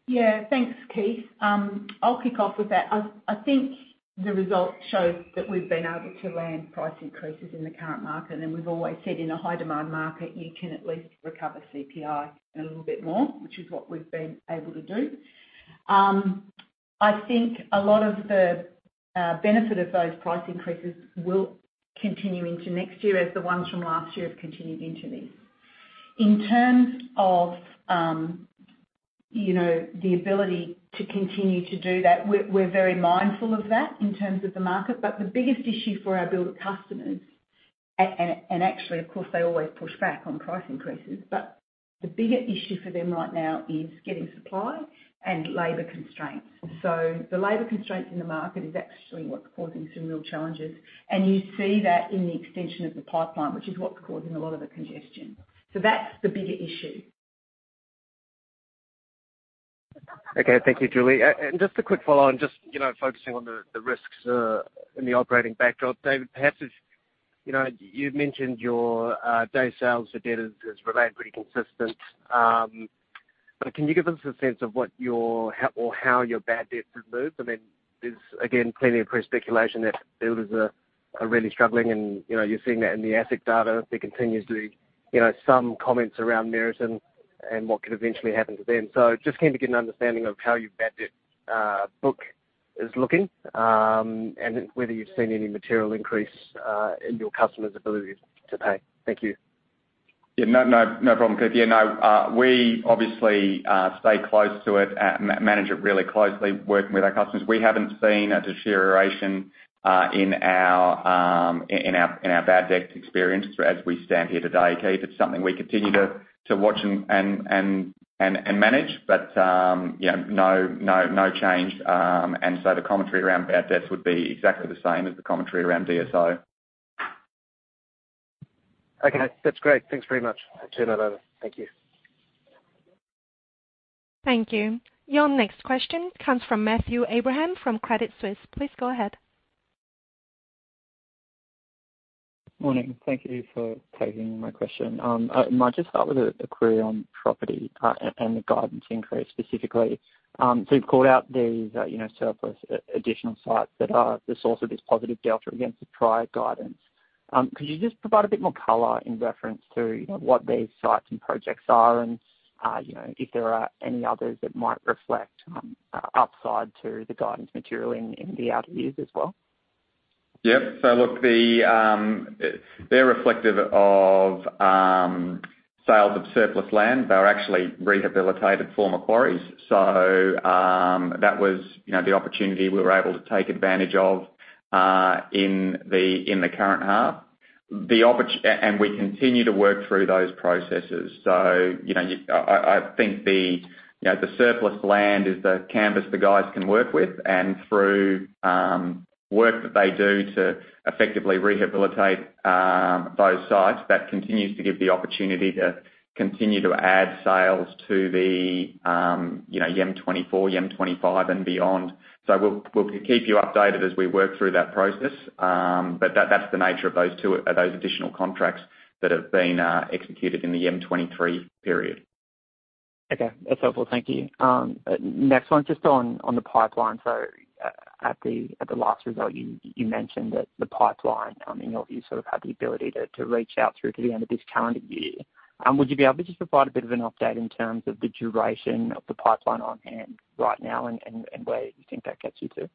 Yeah, thanks, Keith. I'll kick off with that. I think the results show that we've been able to land price increases in the current market, and then we've always said in a high demand market, you can at least recover CPI and a little bit more, which is what we've been able to do. I think a lot of the benefit of those price increases will continue into next year as the ones from last year have continued into these. In terms of you know, the ability to continue to do that, we're very mindful of that in terms of the market. The biggest issue for our builder customers, and actually, of course, they always push back on price increases, but the bigger issue for them right now is getting supply and labor constraints. The labor constraints in the market is actually what's causing some real challenges. You see that in the extension of the pipeline, which is what's causing a lot of the congestion. That's the bigger issue. Okay. Thank you, Julie. Just a quick follow on, you know, focusing on the risks in the operating backdrop. David, perhaps if you know, you've mentioned your days sales for debt has remained pretty consistent. Can you give us a sense of how your bad debt has moved? I mean, there's again plenty of press speculation that builders are really struggling and, you know, you're seeing that in the asset data. There continues to be, you know, some comments around Metricon and what could eventually happen to them. Just keen to get an understanding of how your bad debt book is looking and whether you've seen any material increase in your customers' ability to pay. Thank you. Yeah. No, no problem, Keith. Yeah, no, we obviously stay close to it and manage it really closely working with our customers. We haven't seen a deterioration in our bad debt experience as we stand here today, Keith. It's something we continue to watch and manage, but yeah, no, no change. The commentary around bad debts would be exactly the same as the commentary around DSO. Okay. That's great. Thanks very much. I turn that over. Thank you. Thank you. Your next question comes from Matthew Abraham from Credit Suisse. Please go ahead. Morning. Thank you for taking my question. Might just start with a query on property and the guidance increase specifically. So you've called out these, you know, surplus additional sites that are the source of this positive delta against the prior guidance. Could you just provide a bit more color in reference to, you know, what these sites and projects are and, you know, if there are any others that might reflect upside to the guidance material in the out years as well? Yep. Look, they're reflective of sales of surplus land. They were actually rehabilitated former quarries. That was, you know, the opportunity we were able to take advantage of in the current half. We continue to work through those processes. You know, I think the surplus land is the canvas the guys can work with, and through work that they do to effectively rehabilitate those sites, that continues to give the opportunity to continue to add sales to the, you know, FY 2024, FY 2025 and beyond. We'll keep you updated as we work through that process. That's the nature of those two additional contracts that have been executed in the FY 2023 period. Okay. That's helpful. Thank you. Next one, just on the pipeline. So at the last result you mentioned that the pipeline, I mean, you sort of have the ability to reach out through to the end of this calendar year. Would you be able to just provide a bit of an update in terms of the duration of the pipeline on hand right now and where you think that gets you to?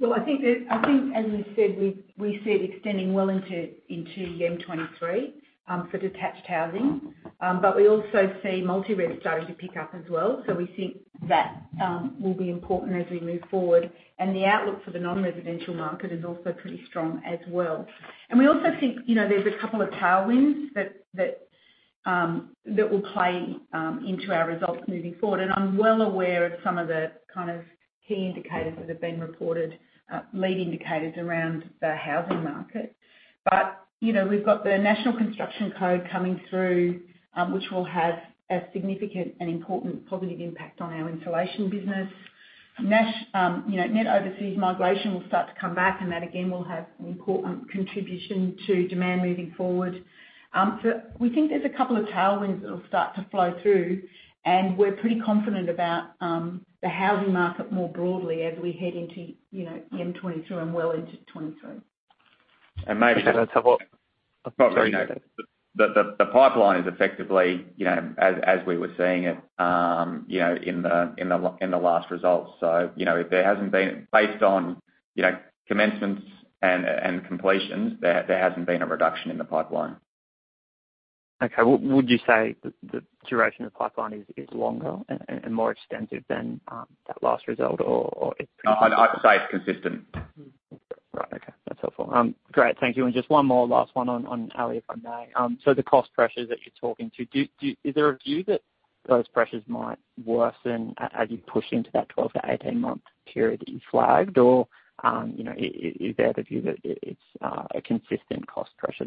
Well, I think, as we said, we see it extending well into FY 2023 for detached housing. But we also see multi-res starting to pick up as well. We think that will be important as we move forward. The outlook for the non-residential market is also pretty strong as well. We also think, you know, there's a couple of tailwinds that will play into our results moving forward. I'm well aware of some of the, kind of, key indicators that have been reported, lead indicators around the housing market. You know, we've got the National Construction Code coming through, which will have a significant and important positive impact on our insulation business. you know, net overseas migration will start to come back, and that again will have an important contribution to demand moving forward. We think there's a couple of tailwinds that'll start to flow through, and we're pretty confident about the housing market more broadly as we head into, you know, FY 2022 and well into 2023. And maybe- Okay. That's helpful. Sorry. The pipeline is effectively, you know, as we were seeing it in the last results. You know, based on, you know, commencements and completions, there hasn't been a reduction in the pipeline. Okay. Would you say the duration of the pipeline is longer and more extensive than that last result, or it's pretty consistent? I'd say it's consistent. Right. Okay. That's helpful. Great. Thank you. Just one more last one on Aluminium, if I may. So the cost pressures that you're talking about, do you? Is there a view that those pressures might worsen as you push into that 12-18 month period that you flagged? Or, you know, is there the view that it's a consistent cost pressure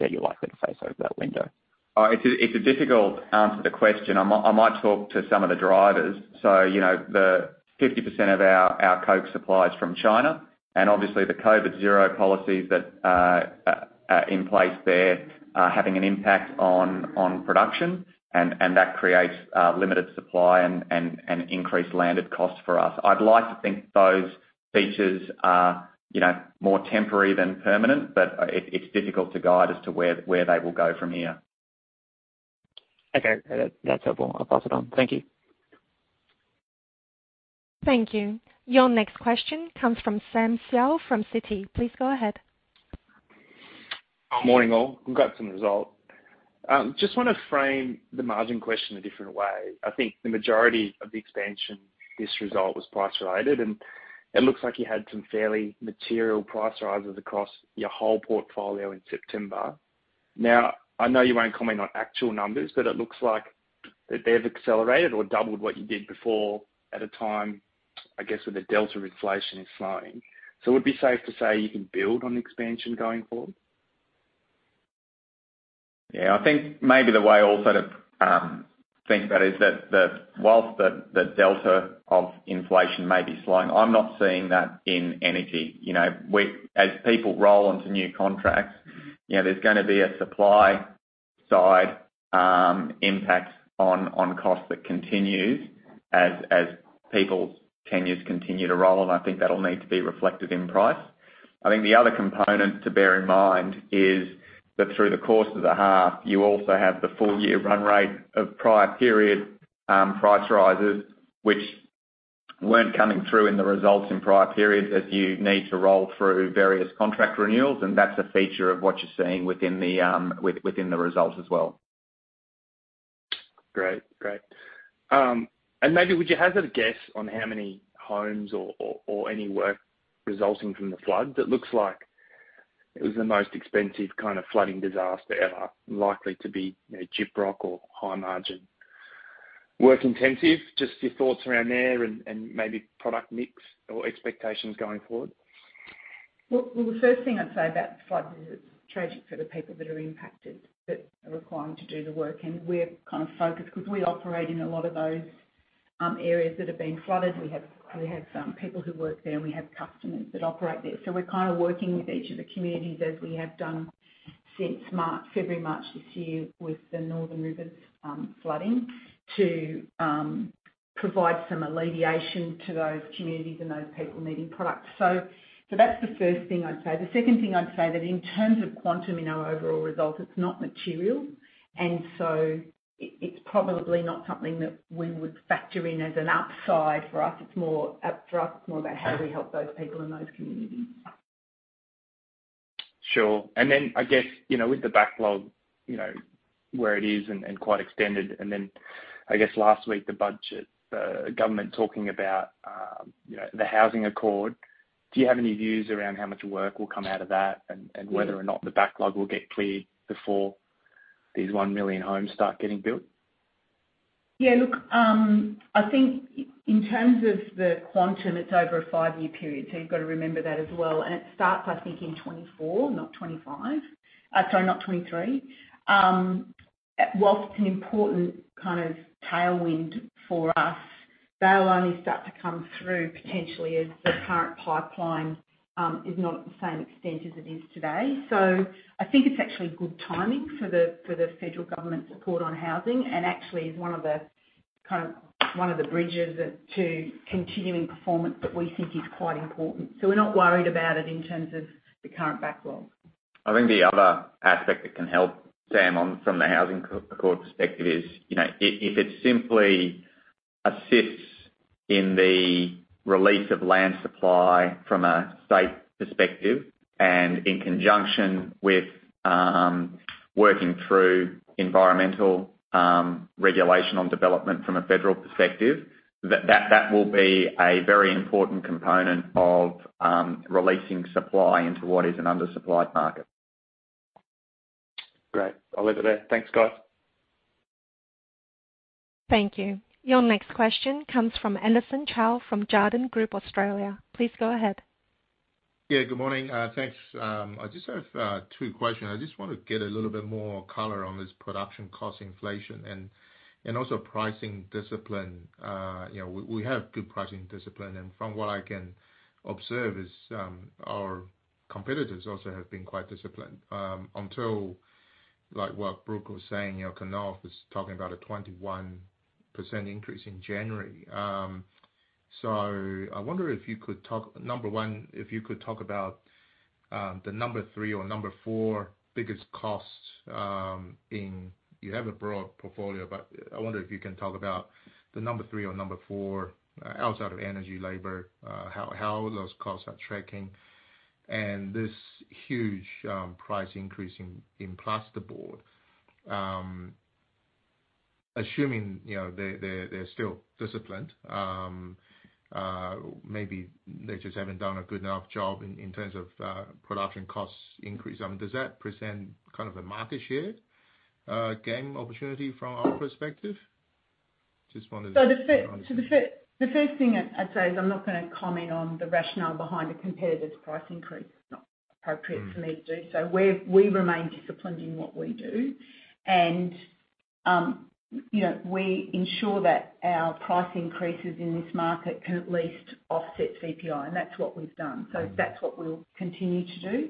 that you're likely to face over that window? It's a difficult answer to the question. I might talk to some of the drivers. You know, 50% of our coke supply is from China, and obviously the Zero-COVID policies that are in place there are having an impact on production. That creates limited supply and increased landed costs for us. I'd like to think those features are, you know, more temporary than permanent, but it's difficult to guide as to where they will go from here. Okay. That's helpful. I'll pass it on. Thank you. Thank you. Your next question comes from Samuel Seow, from Citi. Please go ahead. Morning, all. Congrats on the result. Just wanna frame the margin question a different way. I think the majority of the expansion, this result was price related, and it looks like you had some fairly material price rises across your whole portfolio in September. Now, I know you won't comment on actual numbers, but it looks like that they've accelerated or doubled what you did before at a time, I guess, when the delta inflation is slowing. Would it be safe to say you can build on expansion going forward? Yeah. I think maybe the way also to think about it is that while the delta of inflation may be slowing, I'm not seeing that in energy. You know, as people roll onto new contracts, you know, there's gonna be a supply side impact on costs that continues as people's tenures continue to roll, and I think that'll need to be reflected in price. I think the other component to bear in mind is that through the course of the half, you also have the full year run rate of prior period price rises, which weren't coming through in the results in prior periods as you need to roll through various contract renewals, and that's a feature of what you're seeing within the results as well. Great. Maybe would you hazard a guess on how many homes or any work resulting from the floods? It looks like it was the most expensive kind of flooding disaster ever, likely to be, you know, Gyprock or high margin, work intensive. Just your thoughts around there and maybe product mix or expectations going forward. Well, the first thing I'd say about the floods is it's tragic for the people that are impacted, that are requiring to do the work. We're, kind of, focused, 'cause we operate in a lot of those areas that have been flooded. We have people who work there and we have customers that operate there. We're, kind of, working with each of the communities as we have done since February, March this year with the northern rivers flooding to provide some alleviation to those communities and those people needing products. That's the first thing I'd say. The second thing I'd say that in terms of quantum in our overall result, it's not material. It's probably not something that we would factor in as an upside for us. It's more, for us, it's more about how do we help those people in those communities. Sure. Then I guess, you know, with the backlog, you know, where it is and quite extended, then I guess last week the budget, government talking about. Yeah, the Housing Accord, do you have any views around how much work will come out of that and whether or not the backlog will get cleared before these 1 million homes start getting built? I think in terms of the quantum, it's over a five-year period, so you've got to remember that as well. It starts, I think, in 2024, not 2025. Sorry, not 2023. While it's an important kind of tailwind for us, they'll only start to come through potentially as the current pipeline is not at the same extent as it is today. I think it's actually good timing for the federal government support on housing and actually is one of the, kind of one of the bridges to continuing performance that we think is quite important. We're not worried about it in terms of the current backlog. I think the other aspect that can help, Sam, from the Housing Accord perspective is, you know, if it simply assists in the release of land supply from a state perspective and in conjunction with working through environmental regulation on development from a federal perspective, that will be a very important component of releasing supply into what is an undersupplied market. Great. I'll leave it there. Thanks, guys. Thank you. Your next question comes from Anderson Chow from Jarden Australia. Please go ahead. Yeah, good morning. Thanks. I just have two questions. I just want to get a little bit more color on this production cost inflation and also pricing discipline. You know, we have good pricing discipline, and from what I can observe, our competitors also have been quite disciplined, until, like what Brooke was saying, you know, Knauf is talking about a 21% increase in January. So I wonder if you could talk, number one, if you could talk about the number three or number four biggest costs. You have a broad portfolio, but I wonder if you can talk about the number three or number four, outside of energy, labor, how those costs are tracking and this huge price increase in plasterboard. Assuming, you know, they're still disciplined, maybe they just haven't done a good enough job in terms of production costs increase. I mean, does that present kind of a market share gain opportunity from our perspective? Just wanted to- The first thing I'd say is I'm not gonna comment on the rationale behind a competitor's price increase. It's not appropriate for me to do so. We remain disciplined in what we do and, you know, we ensure that our price increases in this market can at least offset CPI, and that's what we've done. That's what we'll continue to do.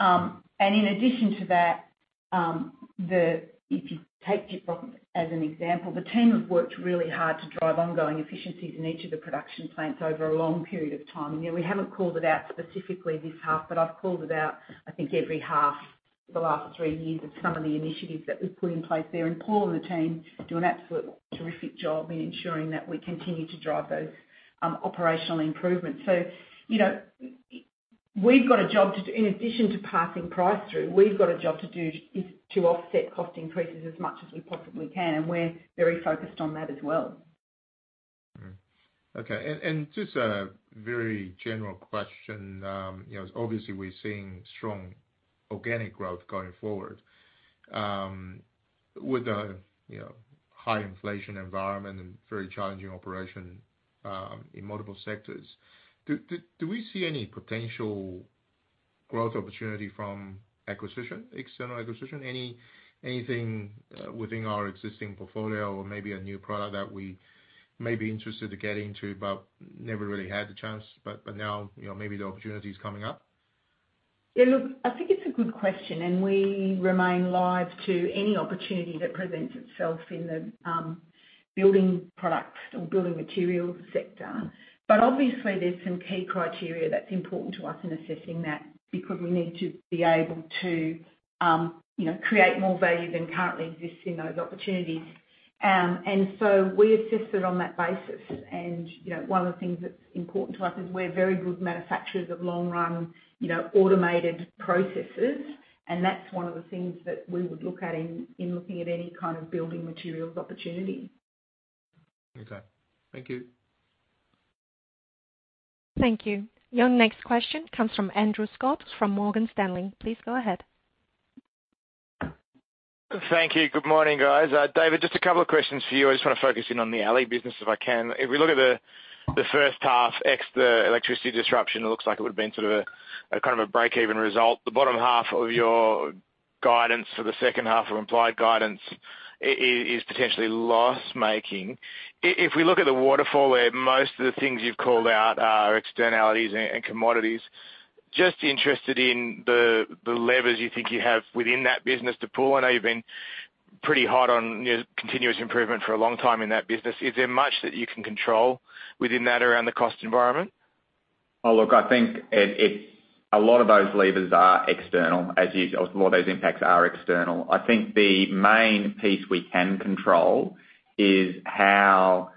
In addition to that, if you take Tipra as an example, the team have worked really hard to drive ongoing efficiencies in each of the production plants over a long period of time. You know, we haven't called it out specifically this half, but I've called it out, I think, every half for the last three years of some of the initiatives that we've put in place there. Paul and the team do an absolute terrific job in ensuring that we continue to drive those operational improvements. You know, we've got a job to do. In addition to passing price through, we've got a job to do is to offset cost increases as much as we possibly can, and we're very focused on that as well. Okay. Just a very general question, you know, obviously we're seeing strong organic growth going forward, with the you know high inflation environment and very challenging operation in multiple sectors. Do we see any potential growth opportunity from acquisition, external acquisition? Anything within our existing portfolio or maybe a new product that we may be interested to get into but never really had the chance but now, you know, maybe the opportunity is coming up? Yeah, look, I think it's a good question, and we remain live to any opportunity that presents itself in the building products or building materials sector. Obviously there's some key criteria that's important to us in assessing that because we need to be able to, you know, create more value than currently exists in those opportunities. We assess it on that basis. You know, one of the things that's important to us is we're very good manufacturers of long-run, you know, automated processes, and that's one of the things that we would look at in looking at any kind of building materials opportunity. Okay. Thank you. Thank you. Your next question comes from Andrew Scott from Morgan Stanley. Please go ahead. Thank you. Good morning, guys. David, just a couple of questions for you. I just want to focus in on the Aluminum business if I can. If we look at the first half, ex the electricity disruption, it looks like it would have been sort of a kind of break-even result. The bottom half of your guidance for the second half implied guidance is potentially loss-making. If we look at the waterfall where most of the things you've called out are externalities and commodities, just interested in the levers you think you have within that business to pull. I know you've been pretty hard on your continuous improvement for a long time in that business. Is there much that you can control within that around the cost environment? Oh, look. I think a lot of those impacts are external. I think the main piece we can control is how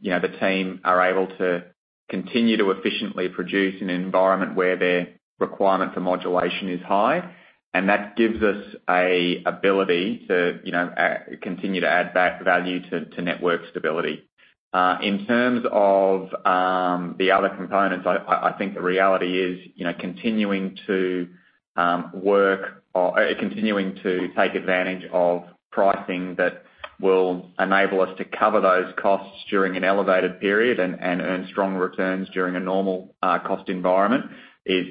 you know the team are able to continue to efficiently produce in an environment where their requirement for modulation is high. That gives us a ability to you know continue to add back value to network stability. In terms of the other components, I think the reality is, you know, continuing to take advantage of pricing that will enable us to cover those costs during an elevated period and earn strong returns during a normal cost environment is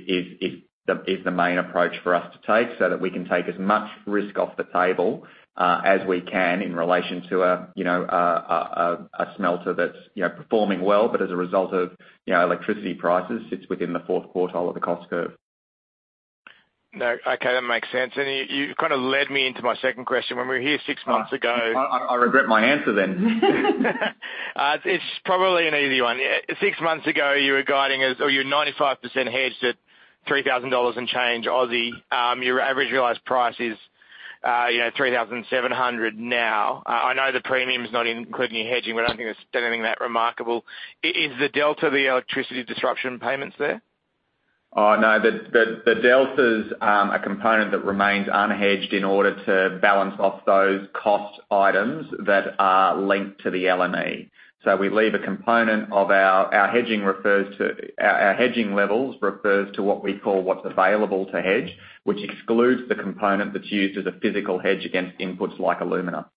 the main approach for us to take so that we can take as much risk off the table as we can in relation to a smelter that's, you know, performing well, but as a result of electricity prices, sits within the fourth quartile of the cost curve. No. Okay, that makes sense. You kind of led me into my second question. When we were here six months ago. I regret my answer then. It's probably an easy one. Six months ago, you were guiding us or you were 95% hedged at 3,000 dollars and change Aussie. Your average realized price is, you know, 3,700 now. I know the premium is not including your hedging, but I don't think it's anything that remarkable. Is the delta the electricity disruption payments there? Oh, no. The delta's a component that remains unhedged in order to balance off those cost items that are linked to the LME. Our hedging levels refers to what we call what's available to hedge, which excludes the component that's used as a physical hedge against inputs like alumina.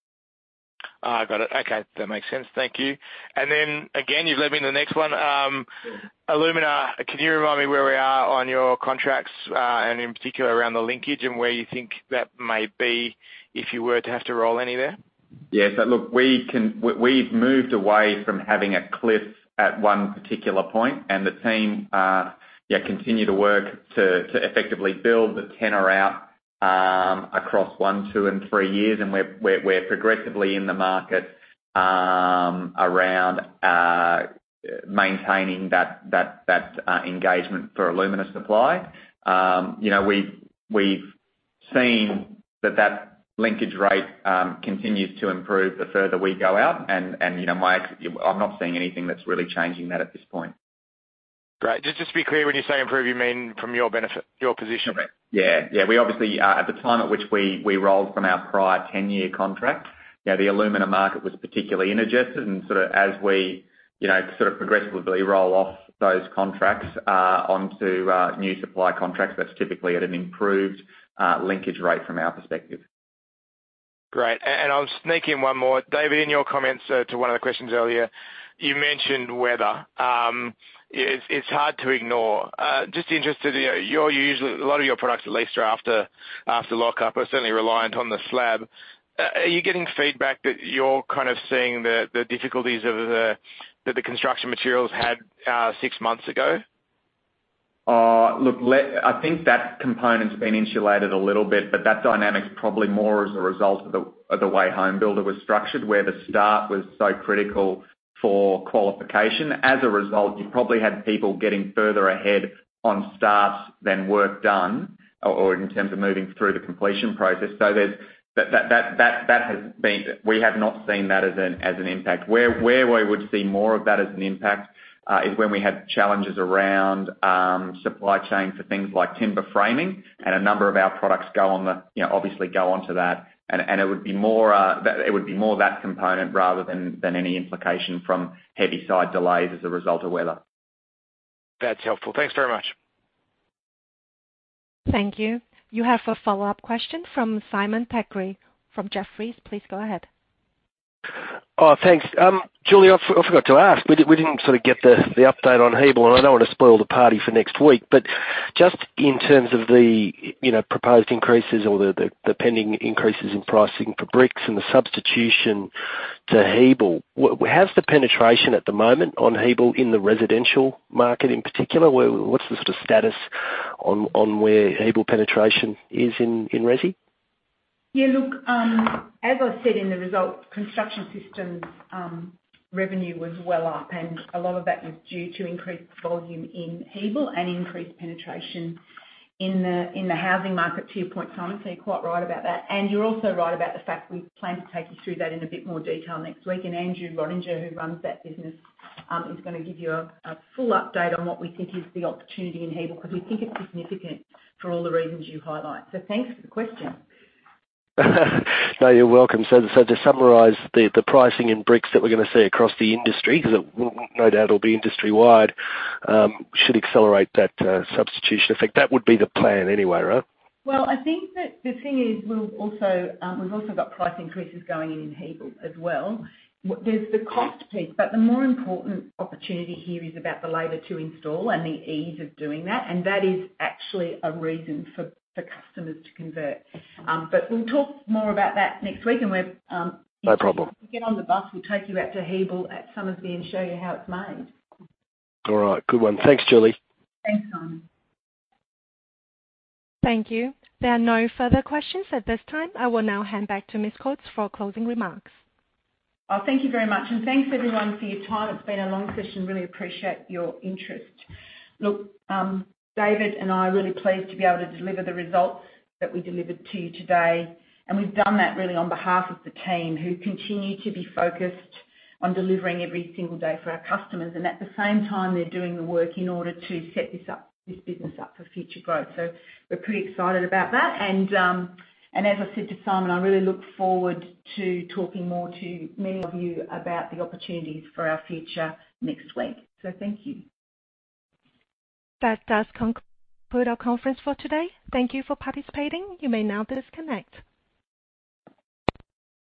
Oh, got it. Okay, that makes sense. Thank you. Again, you've led me in the next one. Alumina, can you remind me where we are on your contracts, and in particular around the linkage and where you think that may be if you were to have to roll any there? Yeah. Look, we've moved away from having a cliff at one particular point, and the team continue to work to effectively build the tenor out across one, two, and three years. We're progressively in the market around maintaining that engagement for alumina supply. You know, we've seen that linkage rate continues to improve the further we go out and, you know, I'm not seeing anything that's really changing that at this point. Great. Just to be clear, when you say improve, you mean from your benefit, your position? Yeah. Yeah. We obviously at the time at which we rolled from our prior ten-year contract, you know, the alumina market was particularly indigested, and sort of as we, you know, sort of progressively roll off those contracts onto new supply contracts, that's typically at an improved linkage rate from our perspective. Great. I'll sneak in one more. David, in your comments, to one of the questions earlier, you mentioned weather. It's hard to ignore. Just interested, you know, you're usually a lot of your products at least are after lockup, are certainly reliant on the slab. Are you getting feedback that you're kind of seeing the difficulties that the construction materials had six months ago? Look, I think that component's been insulated a little bit, but that dynamic's probably more as a result of the way HomeBuilder was structured, where the start was so critical for qualification. As a result, you probably had people getting further ahead on starts than work done or in terms of moving through the completion process. We have not seen that as an impact. Where we would see more of that as an impact is when we have challenges around supply chain for things like timber framing and a number of our products go on the, you know, obviously go onto that, and it would be more of that component rather than any implication from heavy side delays as a result of weather. That's helpful. Thanks very much. Thank you. You have a follow-up question from Simon Thackray from Jefferies. Please go ahead. Oh, thanks. Julie, I forgot to ask. We didn't sort of get the update on Hebel, and I don't want to spoil the party for next week. Just in terms of you know, proposed increases or the pending increases in pricing for bricks and the substitution to Hebel, how's the penetration at the moment on Hebel in the residential market in particular? What's the sort of status on where Hebel penetration is in resi? Yeah. Look, as I said in the results, construction systems revenue was well up, and a lot of that was due to increased volume in Hebel and increased penetration in the housing market to your point, Simon, so you're quite right about that. You're also right about the fact we plan to take you through that in a bit more detail next week. Andrew Rönninger, who runs that business, is gonna give you a full update on what we think is the opportunity in Hebel, 'cause we think it's significant for all the reasons you highlight. Thanks for the question. No, you're welcome. To summarize, the pricing in bricks that we're gonna see across the industry, 'cause no doubt it'll be industry-wide, should accelerate that substitution effect. That would be the plan anyway, right? Well, I think that the thing is, we'll also, we've also got price increases going in in Hebel as well. There's the cost piece, but the more important opportunity here is about the labor to install and the ease of doing that, and that is actually a reason for customers to convert. We'll talk more about that next week, and we're No problem. If you get on the bus, we'll take you out to Hebel at Somerset and show you how it's made. All right, good one. Thanks, Julie. Thanks, Simon. Thank you. There are no further questions at this time. I will now hand back to Ms. Coates for closing remarks. Oh, thank you very much, and thanks, everyone, for your time. It's been a long session. Really appreciate your interest. Look, David and I are really pleased to be able to deliver the results that we delivered to you today, and we've done that really on behalf of the team who continue to be focused on delivering every single day for our customers. At the same time, they're doing the work in order to set this up, this business up for future growth. We're pretty excited about that, and as I said to Simon, I really look forward to talking more to many of you about the opportunities for our future next week. Thank you. That does conclude our conference for today. Thank you for participating. You may now disconnect.